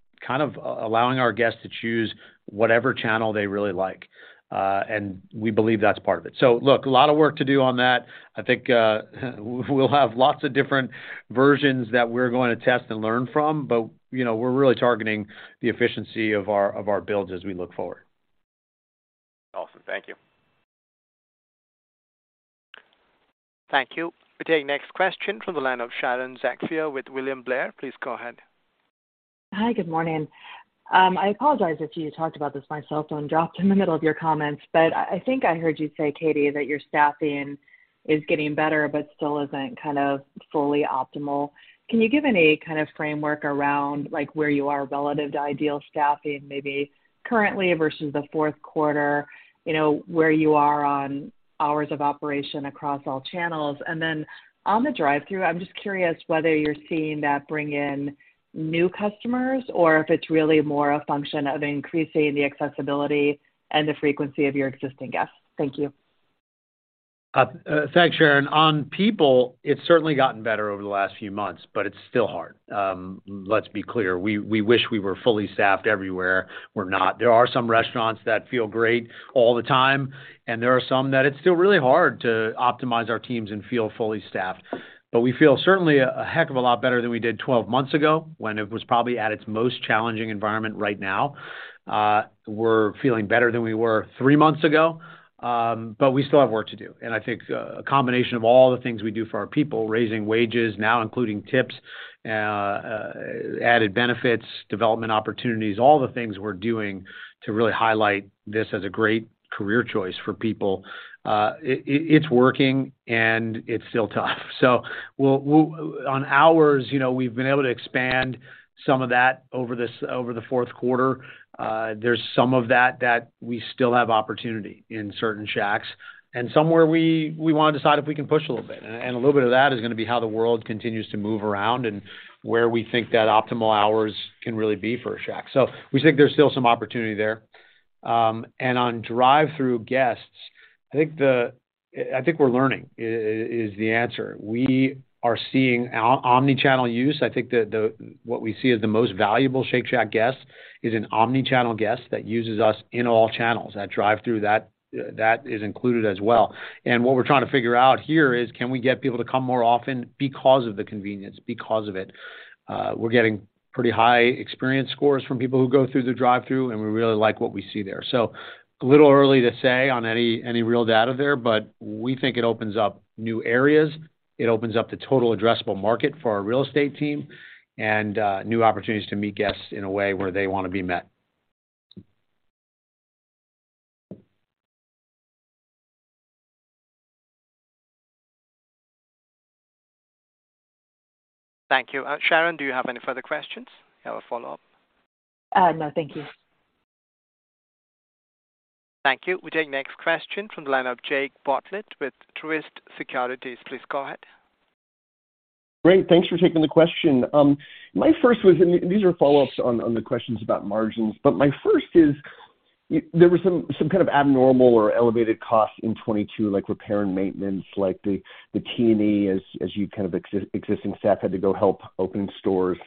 allowing our guests to choose whatever channel they really like. We believe that's part of it. Look, a lot of work to do on that. I think, we'll have lots of different versions that we're going to test and learn from, but, you know, we're really targeting the efficiency of our builds as we look forward. Awesome. Thank you. Thank you. We take next question from the line of Sharon Zackfia with William Blair. Please go ahead. Hi. Good morning. I apologize if you talked about this. My cell phone dropped in the middle of your comments, but I think I heard you say, Katie, that your staffing is getting better, but still isn't kind of fully optimal. Can you give any kind of framework around, like, where you are relative to ideal staffing, maybe currently versus the fourth quarter, you know, where you are on hours of operation across all channels? On the drive-thru, I'm just curious whether you're seeing that bring in new customers or if it's really more a function of increasing the accessibility and the frequency of your existing guests. Thank you. Thanks Sharon. On people, it's certainly gotten better over the last few months, but it's still hard. Let's be clear. We, we wish we were fully staffed everywhere. We're not. There are some restaurants that feel great all the time, and there are some that it's still really hard to optimize our teams and feel fully staffed. We feel certainly a heck of a lot better than we did 12 months ago when it was probably at its most challenging environment right now. We're feeling better than we were three months ago, we still have work to do. I think a combination of all the things we do for our people, raising wages now including tips, added benefits, development opportunities, all the things we're doing to really highlight this as a great career choice for people, it's working and it's still tough. We'll on hours, you know, we've been able to expand some of that over the fourth quarter. There's some of that we still have opportunity in certain Shacks. Somewhere we wanna decide if we can push a little bit. A little bit of that is gonna be how the world continues to move around and where we think that optimal hours can really be for a Shack. We think there's still some opportunity there. On drive-thru guests, I think the... I think we're learning is the answer. We are seeing our omnichannel use. I think the what we see as the most valuable Shake Shack guest is an omnichannel guest that uses us in all channels. That drive-thru, that is included as well. What we're trying to figure out here is can we get people to come more often because of the convenience, because of it? We're getting pretty high experience scores from people who go through the drive-thru, and we really like what we see there. A little early to say on any real data there, but we think it opens up new areas. It opens up the total addressable market for our real estate team and new opportunities to meet guests in a way where they wanna be met. Thank you. Sharon, do you have any further questions or follow-up? No, thank you. Thank you. We take next question from the line of Jake Bartlett with Truist Securities. Please go ahead. Great. Thanks for taking the question. These are follow-ups on the questions about margins. My first is there was some kind of abnormal or elevated costs in 2022, like repair and maintenance, like the T&E as you existing staff had to go help open stores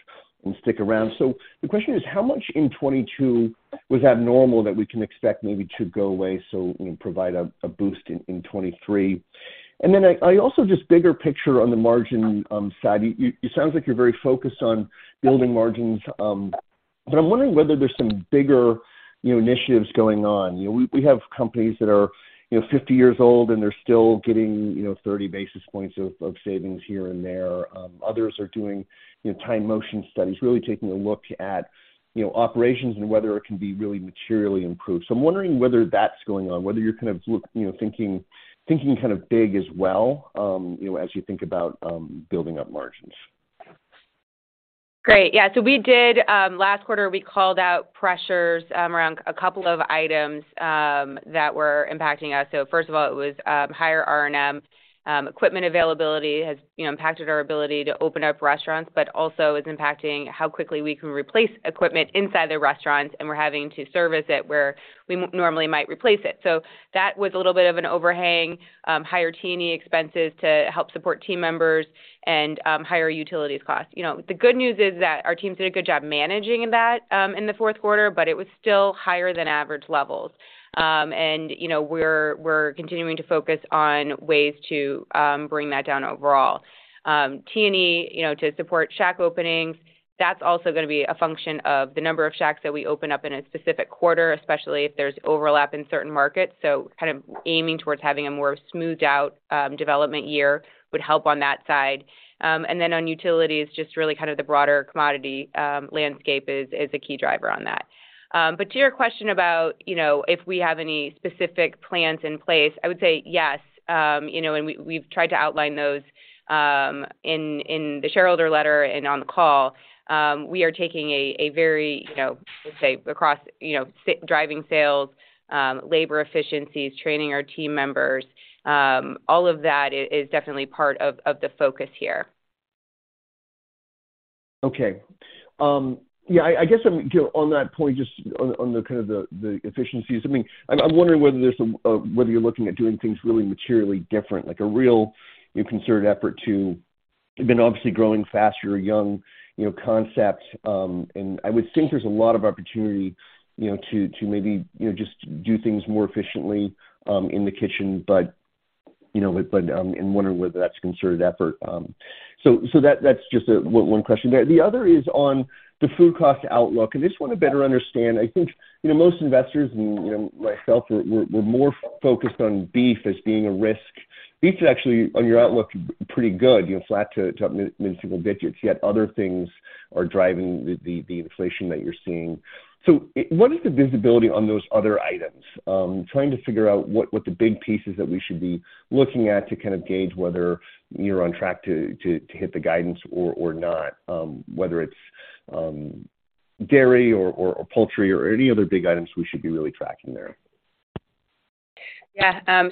and stick around. The question is: How much in 2022 was abnormal that we can expect maybe to go away so, you know, provide a boost in 2023? I also just bigger picture on the margin side. You sounds like you're very focused on building margins. I'm wondering whether there's some bigger, you know, initiatives going on. You know, we have companies that are, you know, 50 years old, and they're still getting, you know, 30 basis points of savings here and there. Others are doing, you know, time motion studies, really taking a look at, you know, operations and whether it can be really materially improved. I'm wondering whether that's going on, whether you're kind of look, you know, thinking kind of big as well, you know, as you think about building up margins. Great. Yeah. We did, last quarter, we called out pressures around a couple of items that were impacting us. First of all, it was higher R&M. Equipment availability has, you know, impacted our ability to open up restaurants, but also is impacting how quickly we can replace equipment inside the restaurants, and we're having to service it where we normally might replace it. That was a little bit of an overhang. Higher T&E expenses to help support team members and higher utilities costs. You know, the good news is that our teams did a good job managing that in the fourth quarter, but it was still higher than average levels. We're, you know, we're continuing to focus on ways to bring that down overall. T&E, you know, to support Shack openings, that's also gonna be a function of the number of Shacks that we open up in a specific quarter, especially if there's overlap in certain markets. Kind of aiming towards having a more smoothed out development year would help on that side. On utilities, just really kind of the broader commodity landscape is a key driver on that. To your question about, you know, if we have any specific plans in place, I would say yes. You know, we've tried to outline those in the shareholder letter and on the call. We are taking a very, you know, let's say across, you know, driving sales, labor efficiencies, training our team members, all of that is definitely part of the focus here. Okay. Yeah, I guess I'm, you know, on the kind of the efficiencies, I mean, I'm wondering whether there's some, whether you're looking at doing things really materially different, like a real concerted effort. You've been obviously growing faster, a young, you know, concept. I would think there's a lot of opportunity, you know, to maybe, you know, just do things more efficiently in the kitchen. You know, and wondering whether that's a concerted effort. That, that's just one question there. The other is on the food cost outlook. Just want to better understand. I think, you know, most investors and, you know, myself, we're more focused on beef as being a risk. Beef is actually on your outlook pretty good, you know, flat to up mid-single digits, yet other things are driving the inflation that you're seeing. What is the visibility on those other items? Trying to figure out what the big pieces that we should be looking at to kind of gauge whether you're on track to hit the guidance or not, whether it's dairy or poultry or any other big items we should be really tracking there. Yeah.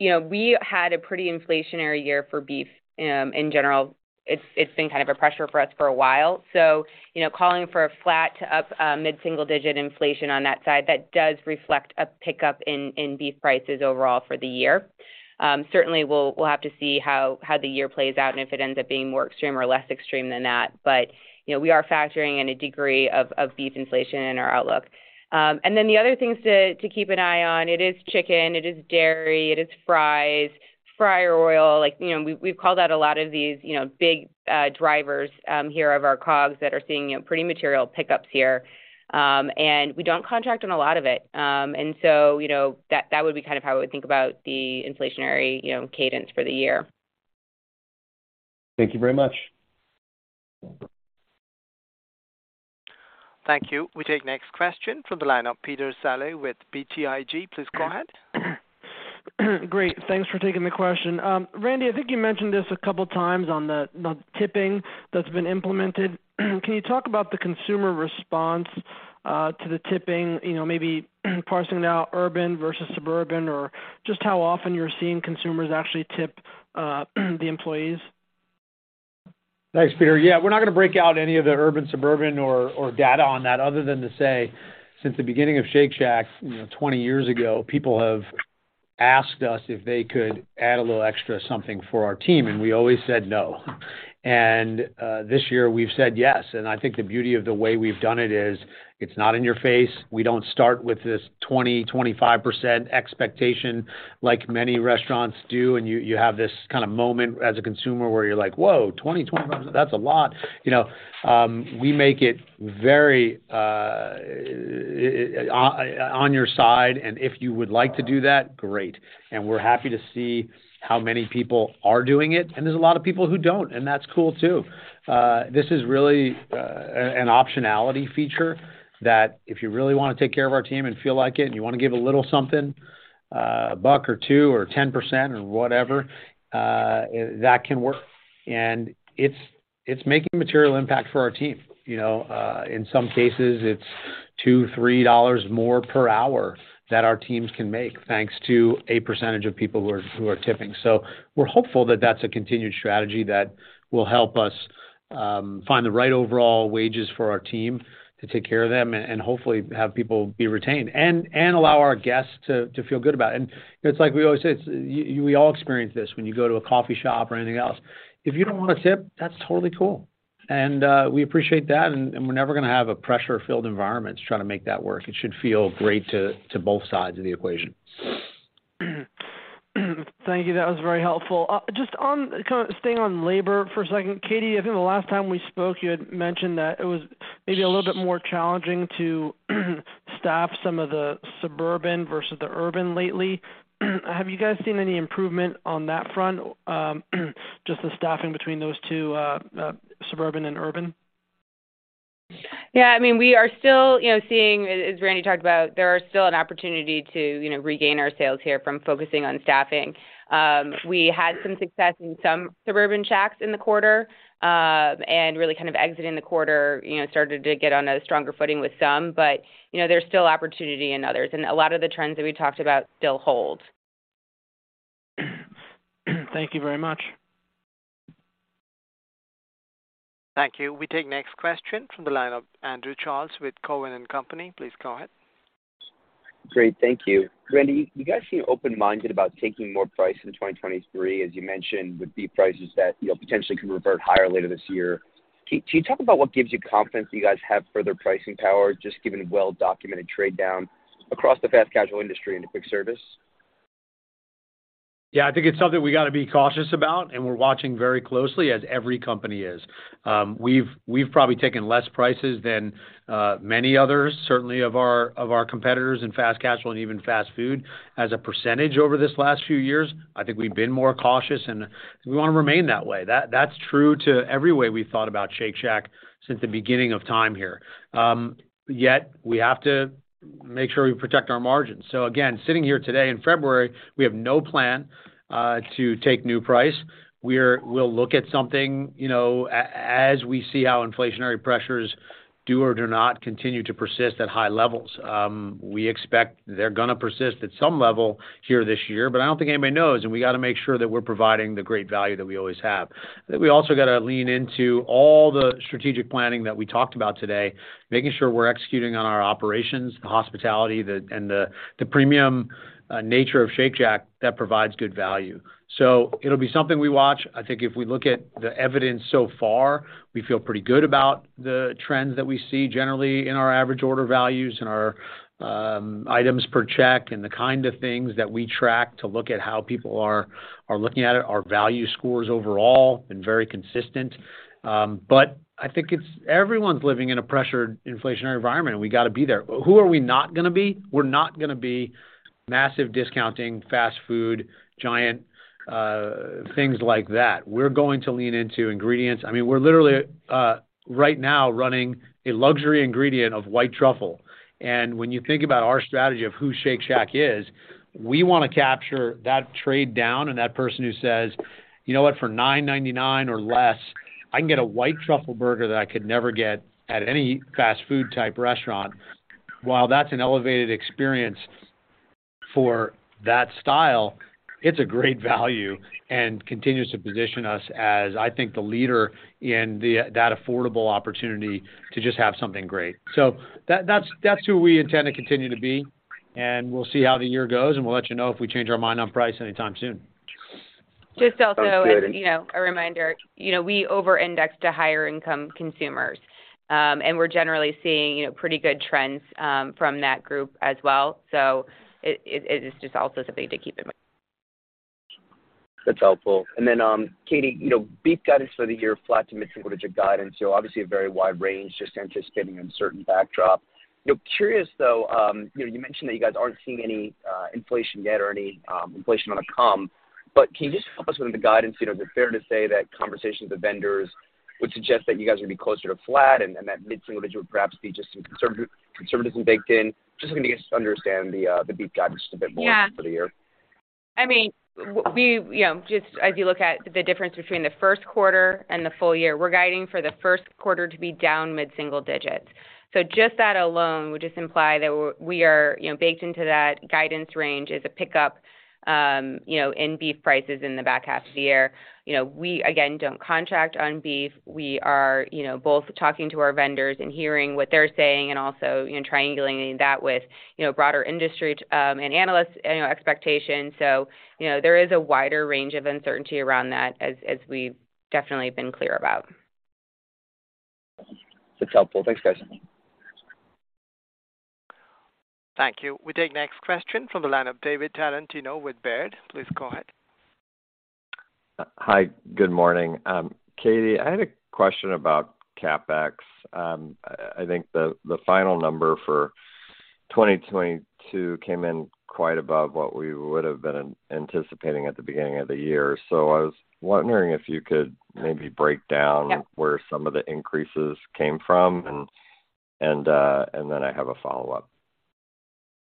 You know, we had a pretty inflationary year for beef in general. It's been kind of a pressure for us for a while. You know, calling for a flat to up mid-single digit inflation on that side, that does reflect a pickup in beef prices overall for the year. Certainly we'll have to see how the year plays out and if it ends up being more extreme or less extreme than that. You know, we are factoring in a degree of beef inflation in our outlook. The other things to keep an eye on it is chicken, it is dairy, it is fries, fryer oil. Like, you know, we've called out a lot of these, you know, big drivers here of our COGS that are seeing, you know, pretty material pickups here. We don't contract on a lot of it. You know, that would be kind of how I would think about the inflationary, you know, cadence for the year. Thank you very much. Thank you. We take next question from the line of Peter Saleh with BTIG. Please go ahead. Great. Thanks for taking the question. Randy, I think you mentioned this a couple times on the tipping that's been implemented. Can you talk about the consumer response, to the tipping? You know, maybe parsing out urban versus suburban or just how often you're seeing consumers actually tip, the employees? Thanks, Peter. We're not gonna break out any of the urban, suburban or data on that other than to say, since the beginning of Shake Shack, you know, 20 years ago, people have asked us if they could add a little extra something for our team. We always said no. This year we've said yes. I think the beauty of the way we've done it is it's not in your face. We don't start with this 20%,25% expectation like many restaurants do, and you have this kind of moment as a consumer where you're like, "Whoa, 20%-25%, that's a lot." You know, we make it very on your side, and if you would like to do that, great. We're happy to see how many people are doing it. There's a lot of people who don't, and that's cool too. This is really an optionality feature that if you really wanna take care of our team and feel like it and you wanna give a little something, a $1 or $2 or 10% or whatever, that can work. It's, it's making material impact for our team. You know, in some cases, it's $2, $3 more per hour that our teams can make, thanks to a percentage of people who are tipping. We're hopeful that that's a continued strategy that will help us find the right overall wages for our team to take care of them and hopefully have people be retained and allow our guests to feel good about it. It's like we always say, we all experience this when you go to a coffee shop or anything else. If you don't want to tip, that's totally cool, and we appreciate that, and we're never gonna have a pressure-filled environment to try to make that work. It should feel great to both sides of the equation. Thank you. That was very helpful. Just kind of staying on labor for a second. Katie, I think the last time we spoke, you had mentioned that it was maybe a little bit more challenging to staff some of the suburban versus the urban lately. Have you guys seen any improvement on that front, just the staffing between those two, suburban and urban? Yeah, I mean, we are still, you know, seeing, as Randy talked about, there are still an opportunity to, you know, regain our sales here from focusing on staffing. We had some success in some suburban Shacks in the quarter, and really kind of exiting the quarter, you know, started to get on a stronger footing with some. There's still opportunity in others, and a lot of the trends that we talked about still hold. Thank you very much. Thank you. We take next question from the line of Andrew Charles with Cowen and Company. Please go ahead. Great. Thank you. Randy, you guys seem open-minded about taking more price in 2023, as you mentioned, with beef prices that, you know, potentially could revert higher later this year. Can you talk about what gives you confidence that you guys have further pricing power, just given well-documented trade down across the fast casual industry into quick service? Yeah, I think it's something we got to be cautious about. We're watching very closely as every company is. We've probably taken less prices than many others, certainly of our competitors in fast casual and even fast food as a percentage over this last few years. I think we've been more cautious. We want to remain that way. That's true to every way we've thought about Shake Shack since the beginning of time here. Yet we have to make sure we protect our margins. Again, sitting here today in February, we have no plan to take new price. We'll look at something, you know, as we see how inflationary pressures do or do not continue to persist at high levels. We expect they're gonna persist at some level here this year, but I don't think anybody knows, and we gotta make sure that we're providing the great value that we always have. I think we also gotta lean into all the strategic planning that we talked about today, making sure we're executing on our operations, the hospitality, and the premium nature of Shake Shack that provides good value. It'll be something we watch. I think if we look at the evidence so far, we feel pretty good about the trends that we see generally in our average order values and our items per check and the kind of things that we track to look at how people are looking at it. Our value scores overall been very consistent. I think it's everyone's living in a pressured inflationary environment, and we gotta be there. Who are we not gonna be? We're not gonna be massive discounting, fast food, giant things like that. We're going to lean into ingredients. I mean, we're literally right now running a luxury ingredient of White Truffle. When you think about our strategy of who Shake Shack is, we wanna capture that trade down and that person who says, "You know what? For $9.99 or less, I can get a White Truffle Burger that I could never get at any fast food type restaurant." While that's an elevated experience for that style, it's a great value and continues to position us as, I think, the leader in that affordable opportunity to just have something great. That's who we intend to continue to be, and we'll see how the year goes, and we'll let you know if we change our mind on price anytime soon. Just also, you know, a reminder, you know, we over-index to higher income consumers. We're generally seeing, you know, pretty good trends, from that group as well. It is just also something to keep in mind. That's helpful. Katie, you know, beef guidance for the year, flat to mid-single digit guidance. Obviously a very wide range, just anticipating uncertain backdrop. You know, curious though, you know, you mentioned that you guys aren't seeing any inflation yet or any inflation gonna come. Can you just help us with the guidance? You know, is it fair to say that conversations with vendors would suggest that you guys would be closer to flat and that mid-single digit would perhaps be just some conservatism baked in? Just looking to understand the beef guidance just a bit more for the year. Yeah. I mean, we, you know, just as you look at the difference between the first quarter and the full year, we're guiding for the first quarter to be down mid-single digits. Just that alone would just imply that we are, you know, baked into that guidance range is a pickup, you know, in beef prices in the back half of the year. You know, we again, don't contract on beef. We are, you know, both talking to our vendors and hearing what they're saying and also, you know, triangulating that with, you know, broader industry, and analyst, you know, expectations. You know, there is a wider range of uncertainty around that as we've definitely been clear about. That's helpful. Thanks, guys. Thank you. We take next question from the line of David Tarantino with Baird. Please go ahead. Hi, good morning. Katie, I had a question about CapEx. I think the final number for 2022 came in quite above what we would have been anticipating at the beginning of the year. I was wondering if you could maybe break down- Yep. where some of the increases came from. I have a follow-up.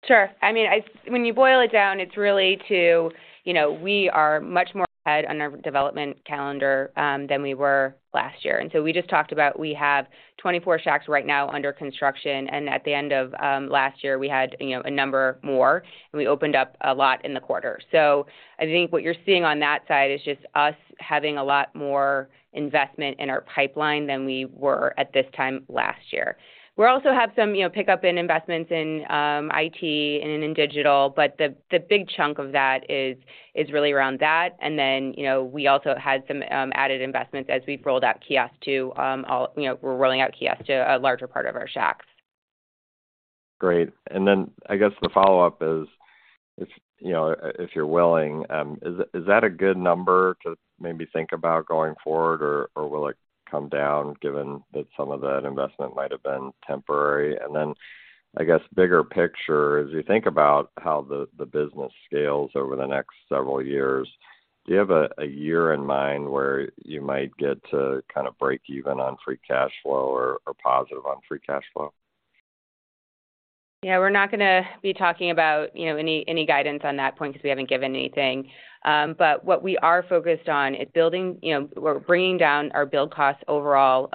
Sure. I mean, when you boil it down, it's really to, you know, we are much more ahead on our development calendar than we were last year. We just talked about we have 24 Shacks right now under construction, and at the end of last year, we had, you know, a number more, and we opened up a lot in the quarter. I think what you're seeing on that side is just us having a lot more investment in our pipeline than we were at this time last year. We also have some, you know, pickup in investments in IT and in digital, but the big chunk of that is really around that. You know, we also had some added investments as we've rolled out kiosks to a larger part of our Shacks. Great. I guess the follow-up is if, you know, if you're willing, is that a good number to maybe think about going forward or will it come down given that some of that investment might have been temporary? I guess bigger picture, as you think about how the business scales over the next several years, do you have a year in mind where you might get to kind of break even on free cash flow or positive on free cash flow? Yeah, we're not gonna be talking about, you know, any guidance on that point 'cause we haven't given anything. What we are focused on is building, you know, we're bringing down our build costs overall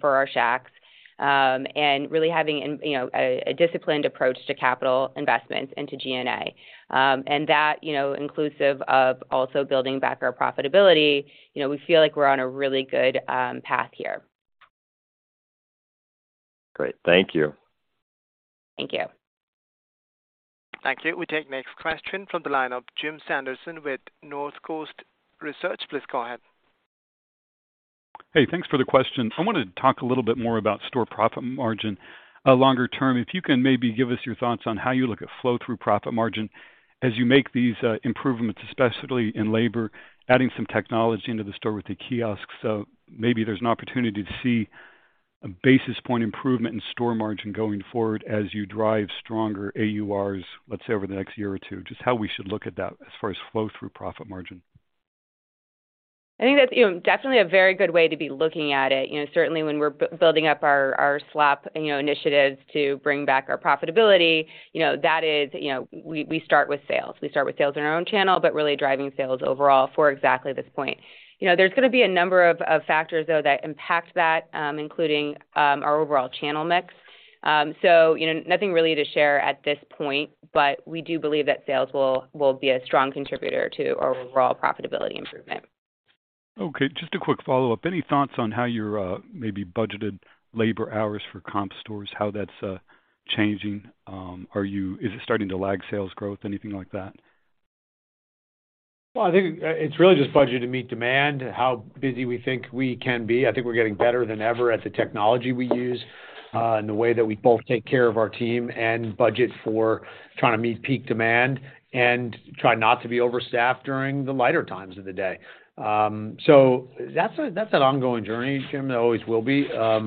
for our Shacks and really having in, you know, a disciplined approach to capital investments into G&A. That, you know, inclusive of also building back our profitability, you know, we feel like we're on a really good path here. Great. Thank you. Thank you. Thank you. We take next question from the line of Jim Sanderson with Northcoast Research. Please go ahead. Thanks for the question. I wanna talk a little bit more about store profit margin longer term. If you can maybe give us your thoughts on how you look at flow-through profit margin as you make these improvements, especially in labor, adding some technology into the store with the kiosks. Maybe there's an opportunity to see a basis point improvement in store margin going forward as you drive stronger AURs, let's say, over the next year or two. Just how we should look at that as far as flow-through profit margin. I think that's, you know, definitely a very good way to be looking at it. You know, certainly when we're building up our SLOP, you know, initiatives to bring back our profitability, you know, that is. You know, we start with sales. We start with sales in our own channel, but really driving sales overall for exactly this point. You know, there's gonna be a number of factors though that impact that, including our overall channel mix. You know, nothing really to share at this point, but we do believe that sales will be a strong contributor to our overall profitability improvement. Okay, just a quick follow-up. Any thoughts on how your maybe budgeted labor hours for comp stores, how that's changing? Is it starting to lag sales growth, anything like that? Well, I think, it's really just budget to meet demand, how busy we think we can be. I think we're getting better than ever at the technology we use, and the way that we both take care of our team and budget for trying to meet peak demand and try not to be overstaffed during the lighter times of the day. That's an ongoing journey, Jim, that always will be. I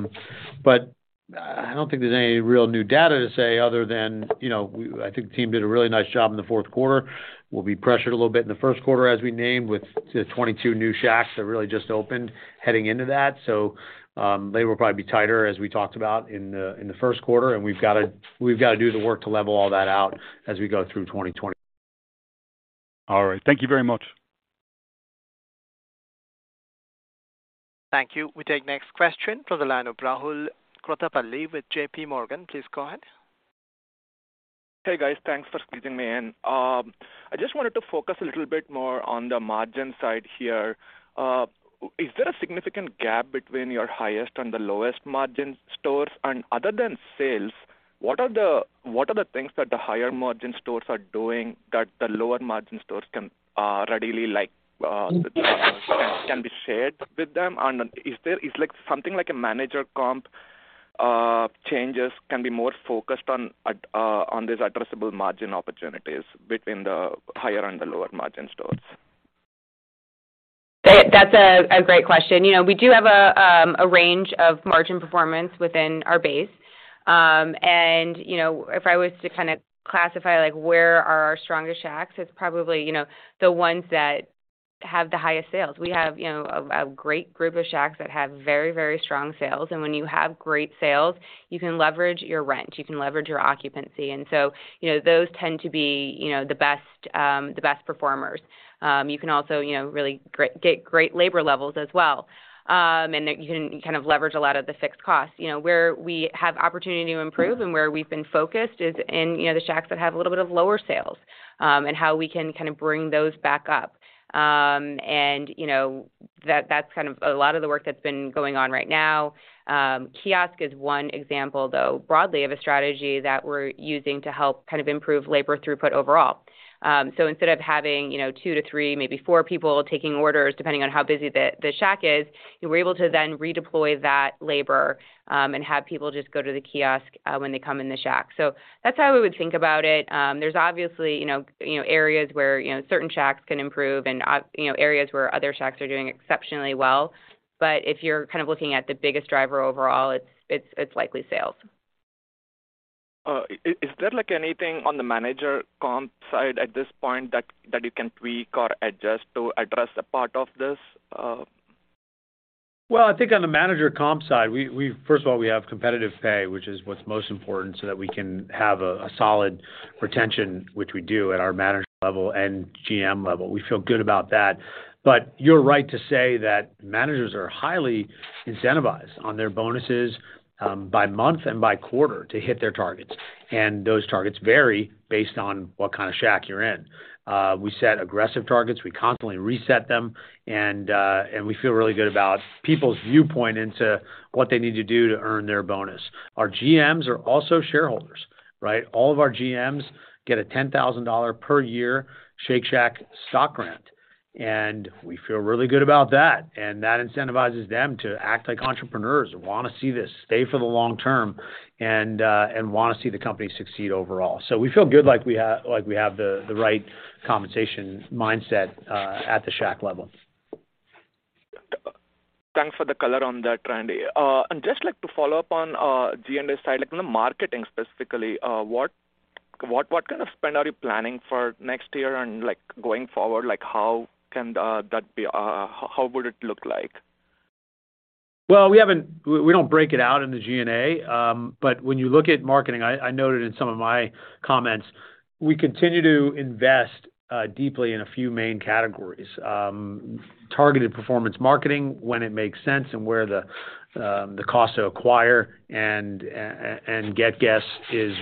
don't think there's any real new data to say other than, you know, I think the team did a really nice job in the fourth quarter. We'll be pressured a little bit in the first quarter, as we named, with the 22 new Shacks that really just opened heading into that. They will probably be tighter as we talked about in the first quarter, and we've gotta do the work to level all that out as we go through 2020. All right. Thank you very much. Thank you. We take next question from the line of Rahul Krotthapalli with J.P. Morgan. Please go ahead. Hey, guys. Thanks for squeezing me in. I just wanted to focus a little bit more on the margin side here. Is there a significant gap between your highest and the lowest margin stores? Other than sales, what are the things that the higher margin stores are doing that the lower margin stores can readily be shared with them? Is there something like a manager comp, changes can be more focused on at these addressable margin opportunities between the higher and the lower margin stores? That's a great question. You know, we do have a range of margin performance within our base. You know, if I was to kinda classify like where are our strongest Shacks, it's probably, you know, the ones that have the highest sales. We have, you know, a great group of Shacks that have very strong sales. When you have great sales, you can leverage your rent, you can leverage your occupancy. You know, those tend to be, you know, the best, the best performers. You can also, you know, get great labor levels as well. You can kind of leverage a lot of the fixed costs. You know, where we have opportunity to improve and where we've been focused is in, you know, the Shacks that have a little bit of lower sales, and how we can kind of bring those back up. You know, that's kind of a lot of the work that's been going on right now. Kiosk is one example, though, broadly of a strategy that we're using to help kind of improve labor throughput overall. Instead of having, you know, two to three, maybe four people taking orders, depending on how busy the Shack is, we're able to then redeploy that labor, and have people just go to the kiosk, when they come in the Shack. That's how we would think about it. There's obviously, you know, areas where, you know, certain Shacks can improve and you know, areas where other Shacks are doing exceptionally well. If you're kind of looking at the biggest driver overall, it's, it's likely sales. Is there like anything on the manager comp side at this point that you can tweak or adjust to address a part of this? I think on the manager comp side, we First of all, we have competitive pay, which is what's most important, so that we can have a solid retention, which we do at our manager level and GM level. We feel good about that. You're right to say that managers are highly incentivized on their bonuses by month and by quarter to hit their targets, and those targets vary based on what kind of Shack you're in. We set aggressive targets. We constantly reset them, and we feel really good about people's viewpoint into what they need to do to earn their bonus. Our GMs are also shareholders, right? All of our GMs get a $10,000 per year Shake Shack stock grant, and we feel really good about that. That incentivizes them to act like entrepreneurs who wanna see this stay for the long term and wanna see the company succeed overall. We feel good like we have the right compensation mindset at the Shack level. Thanks for the color on that, Randy. Just like to follow up on G&A side, like on the marketing specifically, what kind of spend are you planning for next year? Like going forward, like how can that be how would it look like? Well, we don't break it out in the G&A. When you look at marketing, I noted in some of my comments we continue to invest deeply in a few main categories. Targeted performance marketing when it makes sense and where the cost to acquire and get guests is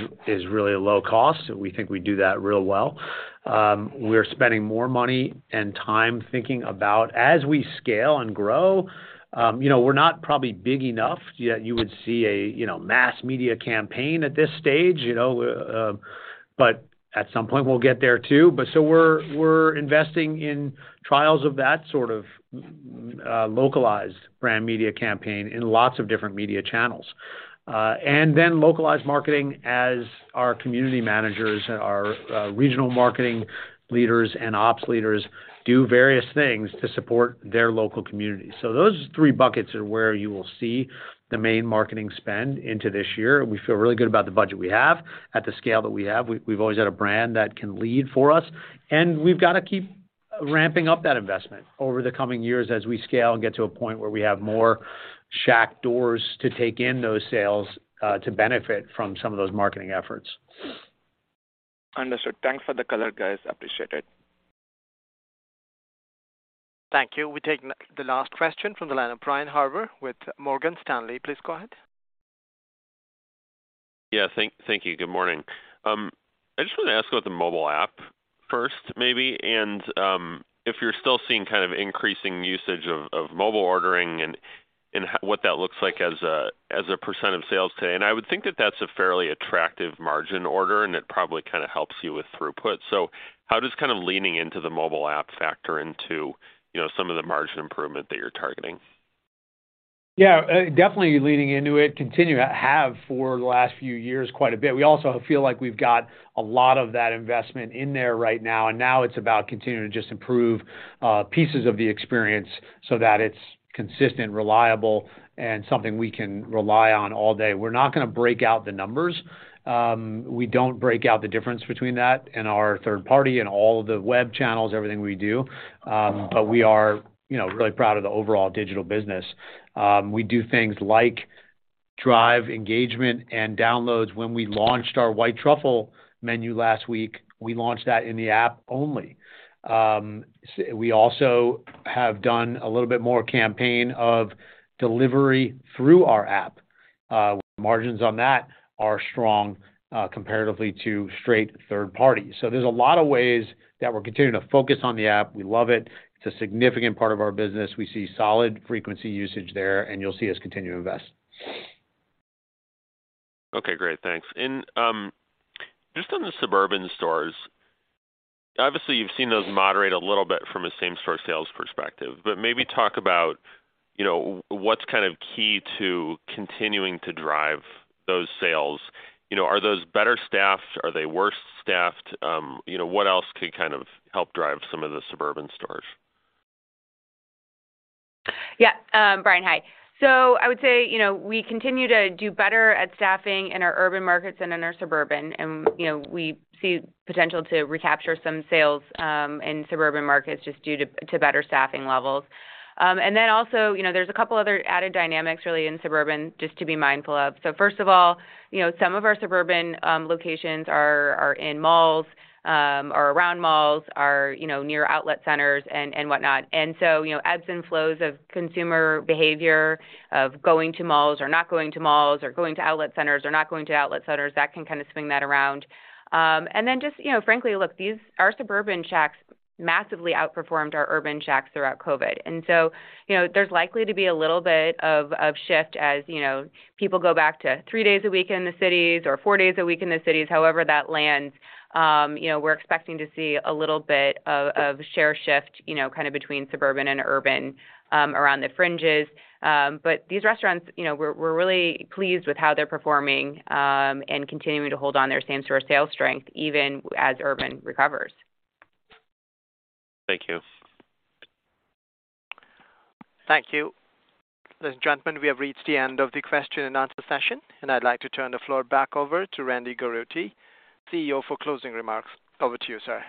really a low cost. We think we do that real well. We're spending more money and time thinking about as we scale and grow, you know, we're not probably big enough yet you would see a, you know, mass media campaign at this stage, you know, at some point we'll get there too. We're investing in trials of that sort of localized brand media campaign in lots of different media channels. Localized marketing as our community managers, our regional marketing leaders and ops leaders do various things to support their local community. Those three buckets are where you will see the main marketing spend into this year. We feel really good about the budget we have at the scale that we have. We've always had a brand that can lead for us, and we've gotta keep ramping up that investment over the coming years as we scale and get to a point where we have more Shack doors to take in those sales to benefit from some of those marketing efforts. Understood. Thanks for the color, guys. Appreciate it. Thank you. We take the last question from the line of Brian Harbour with Morgan Stanley. Please go ahead. Yeah. Thank you. Good morning. I just want to ask about the mobile app first maybe, and, if you're still seeing kind of increasing usage of mobile ordering and what that looks like as a, as a percent of sales today? I would think that that's a fairly attractive margin order, and it probably kind of helps you with throughput. How does kind of leaning into the mobile app factor into, you know, some of the margin improvement that you're targeting? Yeah, definitely leaning into it. Continue to have for the last few years quite a bit. We also feel like we've got a lot of that investment in there right now, and now it's about continuing to just improve, pieces of the experience so that it's consistent, reliable, and something we can rely on all day. We're not gonna break out the numbers. We don't break out the difference between that and our third party and all of the web channels, everything we do. We are, you know, really proud of the overall digital business. We do things like drive engagement and downloads. When we launched our White Truffle menu last week, we launched that in the app only. We also have done a little bit more campaign of delivery through our app. Margins on that are strong, comparatively to straight third party. There's a lot of ways that we're continuing to focus on the app. We love it. It's a significant part of our business. We see solid frequency usage there and you'll see us continue to invest. Okay, great. Thanks. Just on the suburban stores, obviously, you've seen those moderate a little bit from a same-store sales perspective. Maybe talk about, you know, what's kind of key to continuing to drive those sales. You know, are those better staffed? Are they worse staffed? You know, what else could kind of help drive some of the suburban stores? Yeah. Brian, hi. I would say, you know, we continue to do better at staffing in our urban markets and in our suburban. You know, we see potential to recapture some sales in suburban markets just due to better staffing levels. Also, you know, there's a couple other added dynamics really in suburban just to be mindful of. First of all, you know, some of our suburban locations are in malls or around malls, are, you know, near outlet centers and whatnot. You know, ebbs and flows of consumer behavior of going to malls or not going to malls or going to outlet centers or not going to outlet centers, that can kind of swing that around. Just, you know, frankly, look, our suburban Shacks massively outperformed our urban Shacks throughout COVID. You know, there's likely to be a little bit of shift as, you know, people go back to three days a week in the cities or four days a week in the cities, however that lands. You know, we're expecting to see a little bit of share shift, you know, kind of between suburban and urban, around the fringes. These restaurants, you know, we're really pleased with how they're performing, and continuing to hold on their Same-Shack sales strength even as urban recovers. Thank you. Thank you. Ladies and gentlemen, we have reached the end of the question and answer session, and I'd like to turn the floor back over to Randy Garutti, CEO, for closing remarks. Over to you, sir.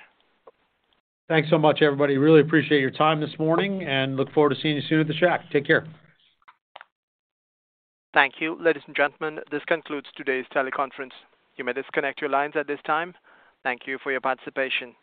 Thanks so much, everybody. Really appreciate your time this morning and look forward to seeing you soon at The Shack. Take care. Thank you. Ladies and gentlemen, this concludes today's teleconference. You may disconnect your lines at this time. Thank you for your participation.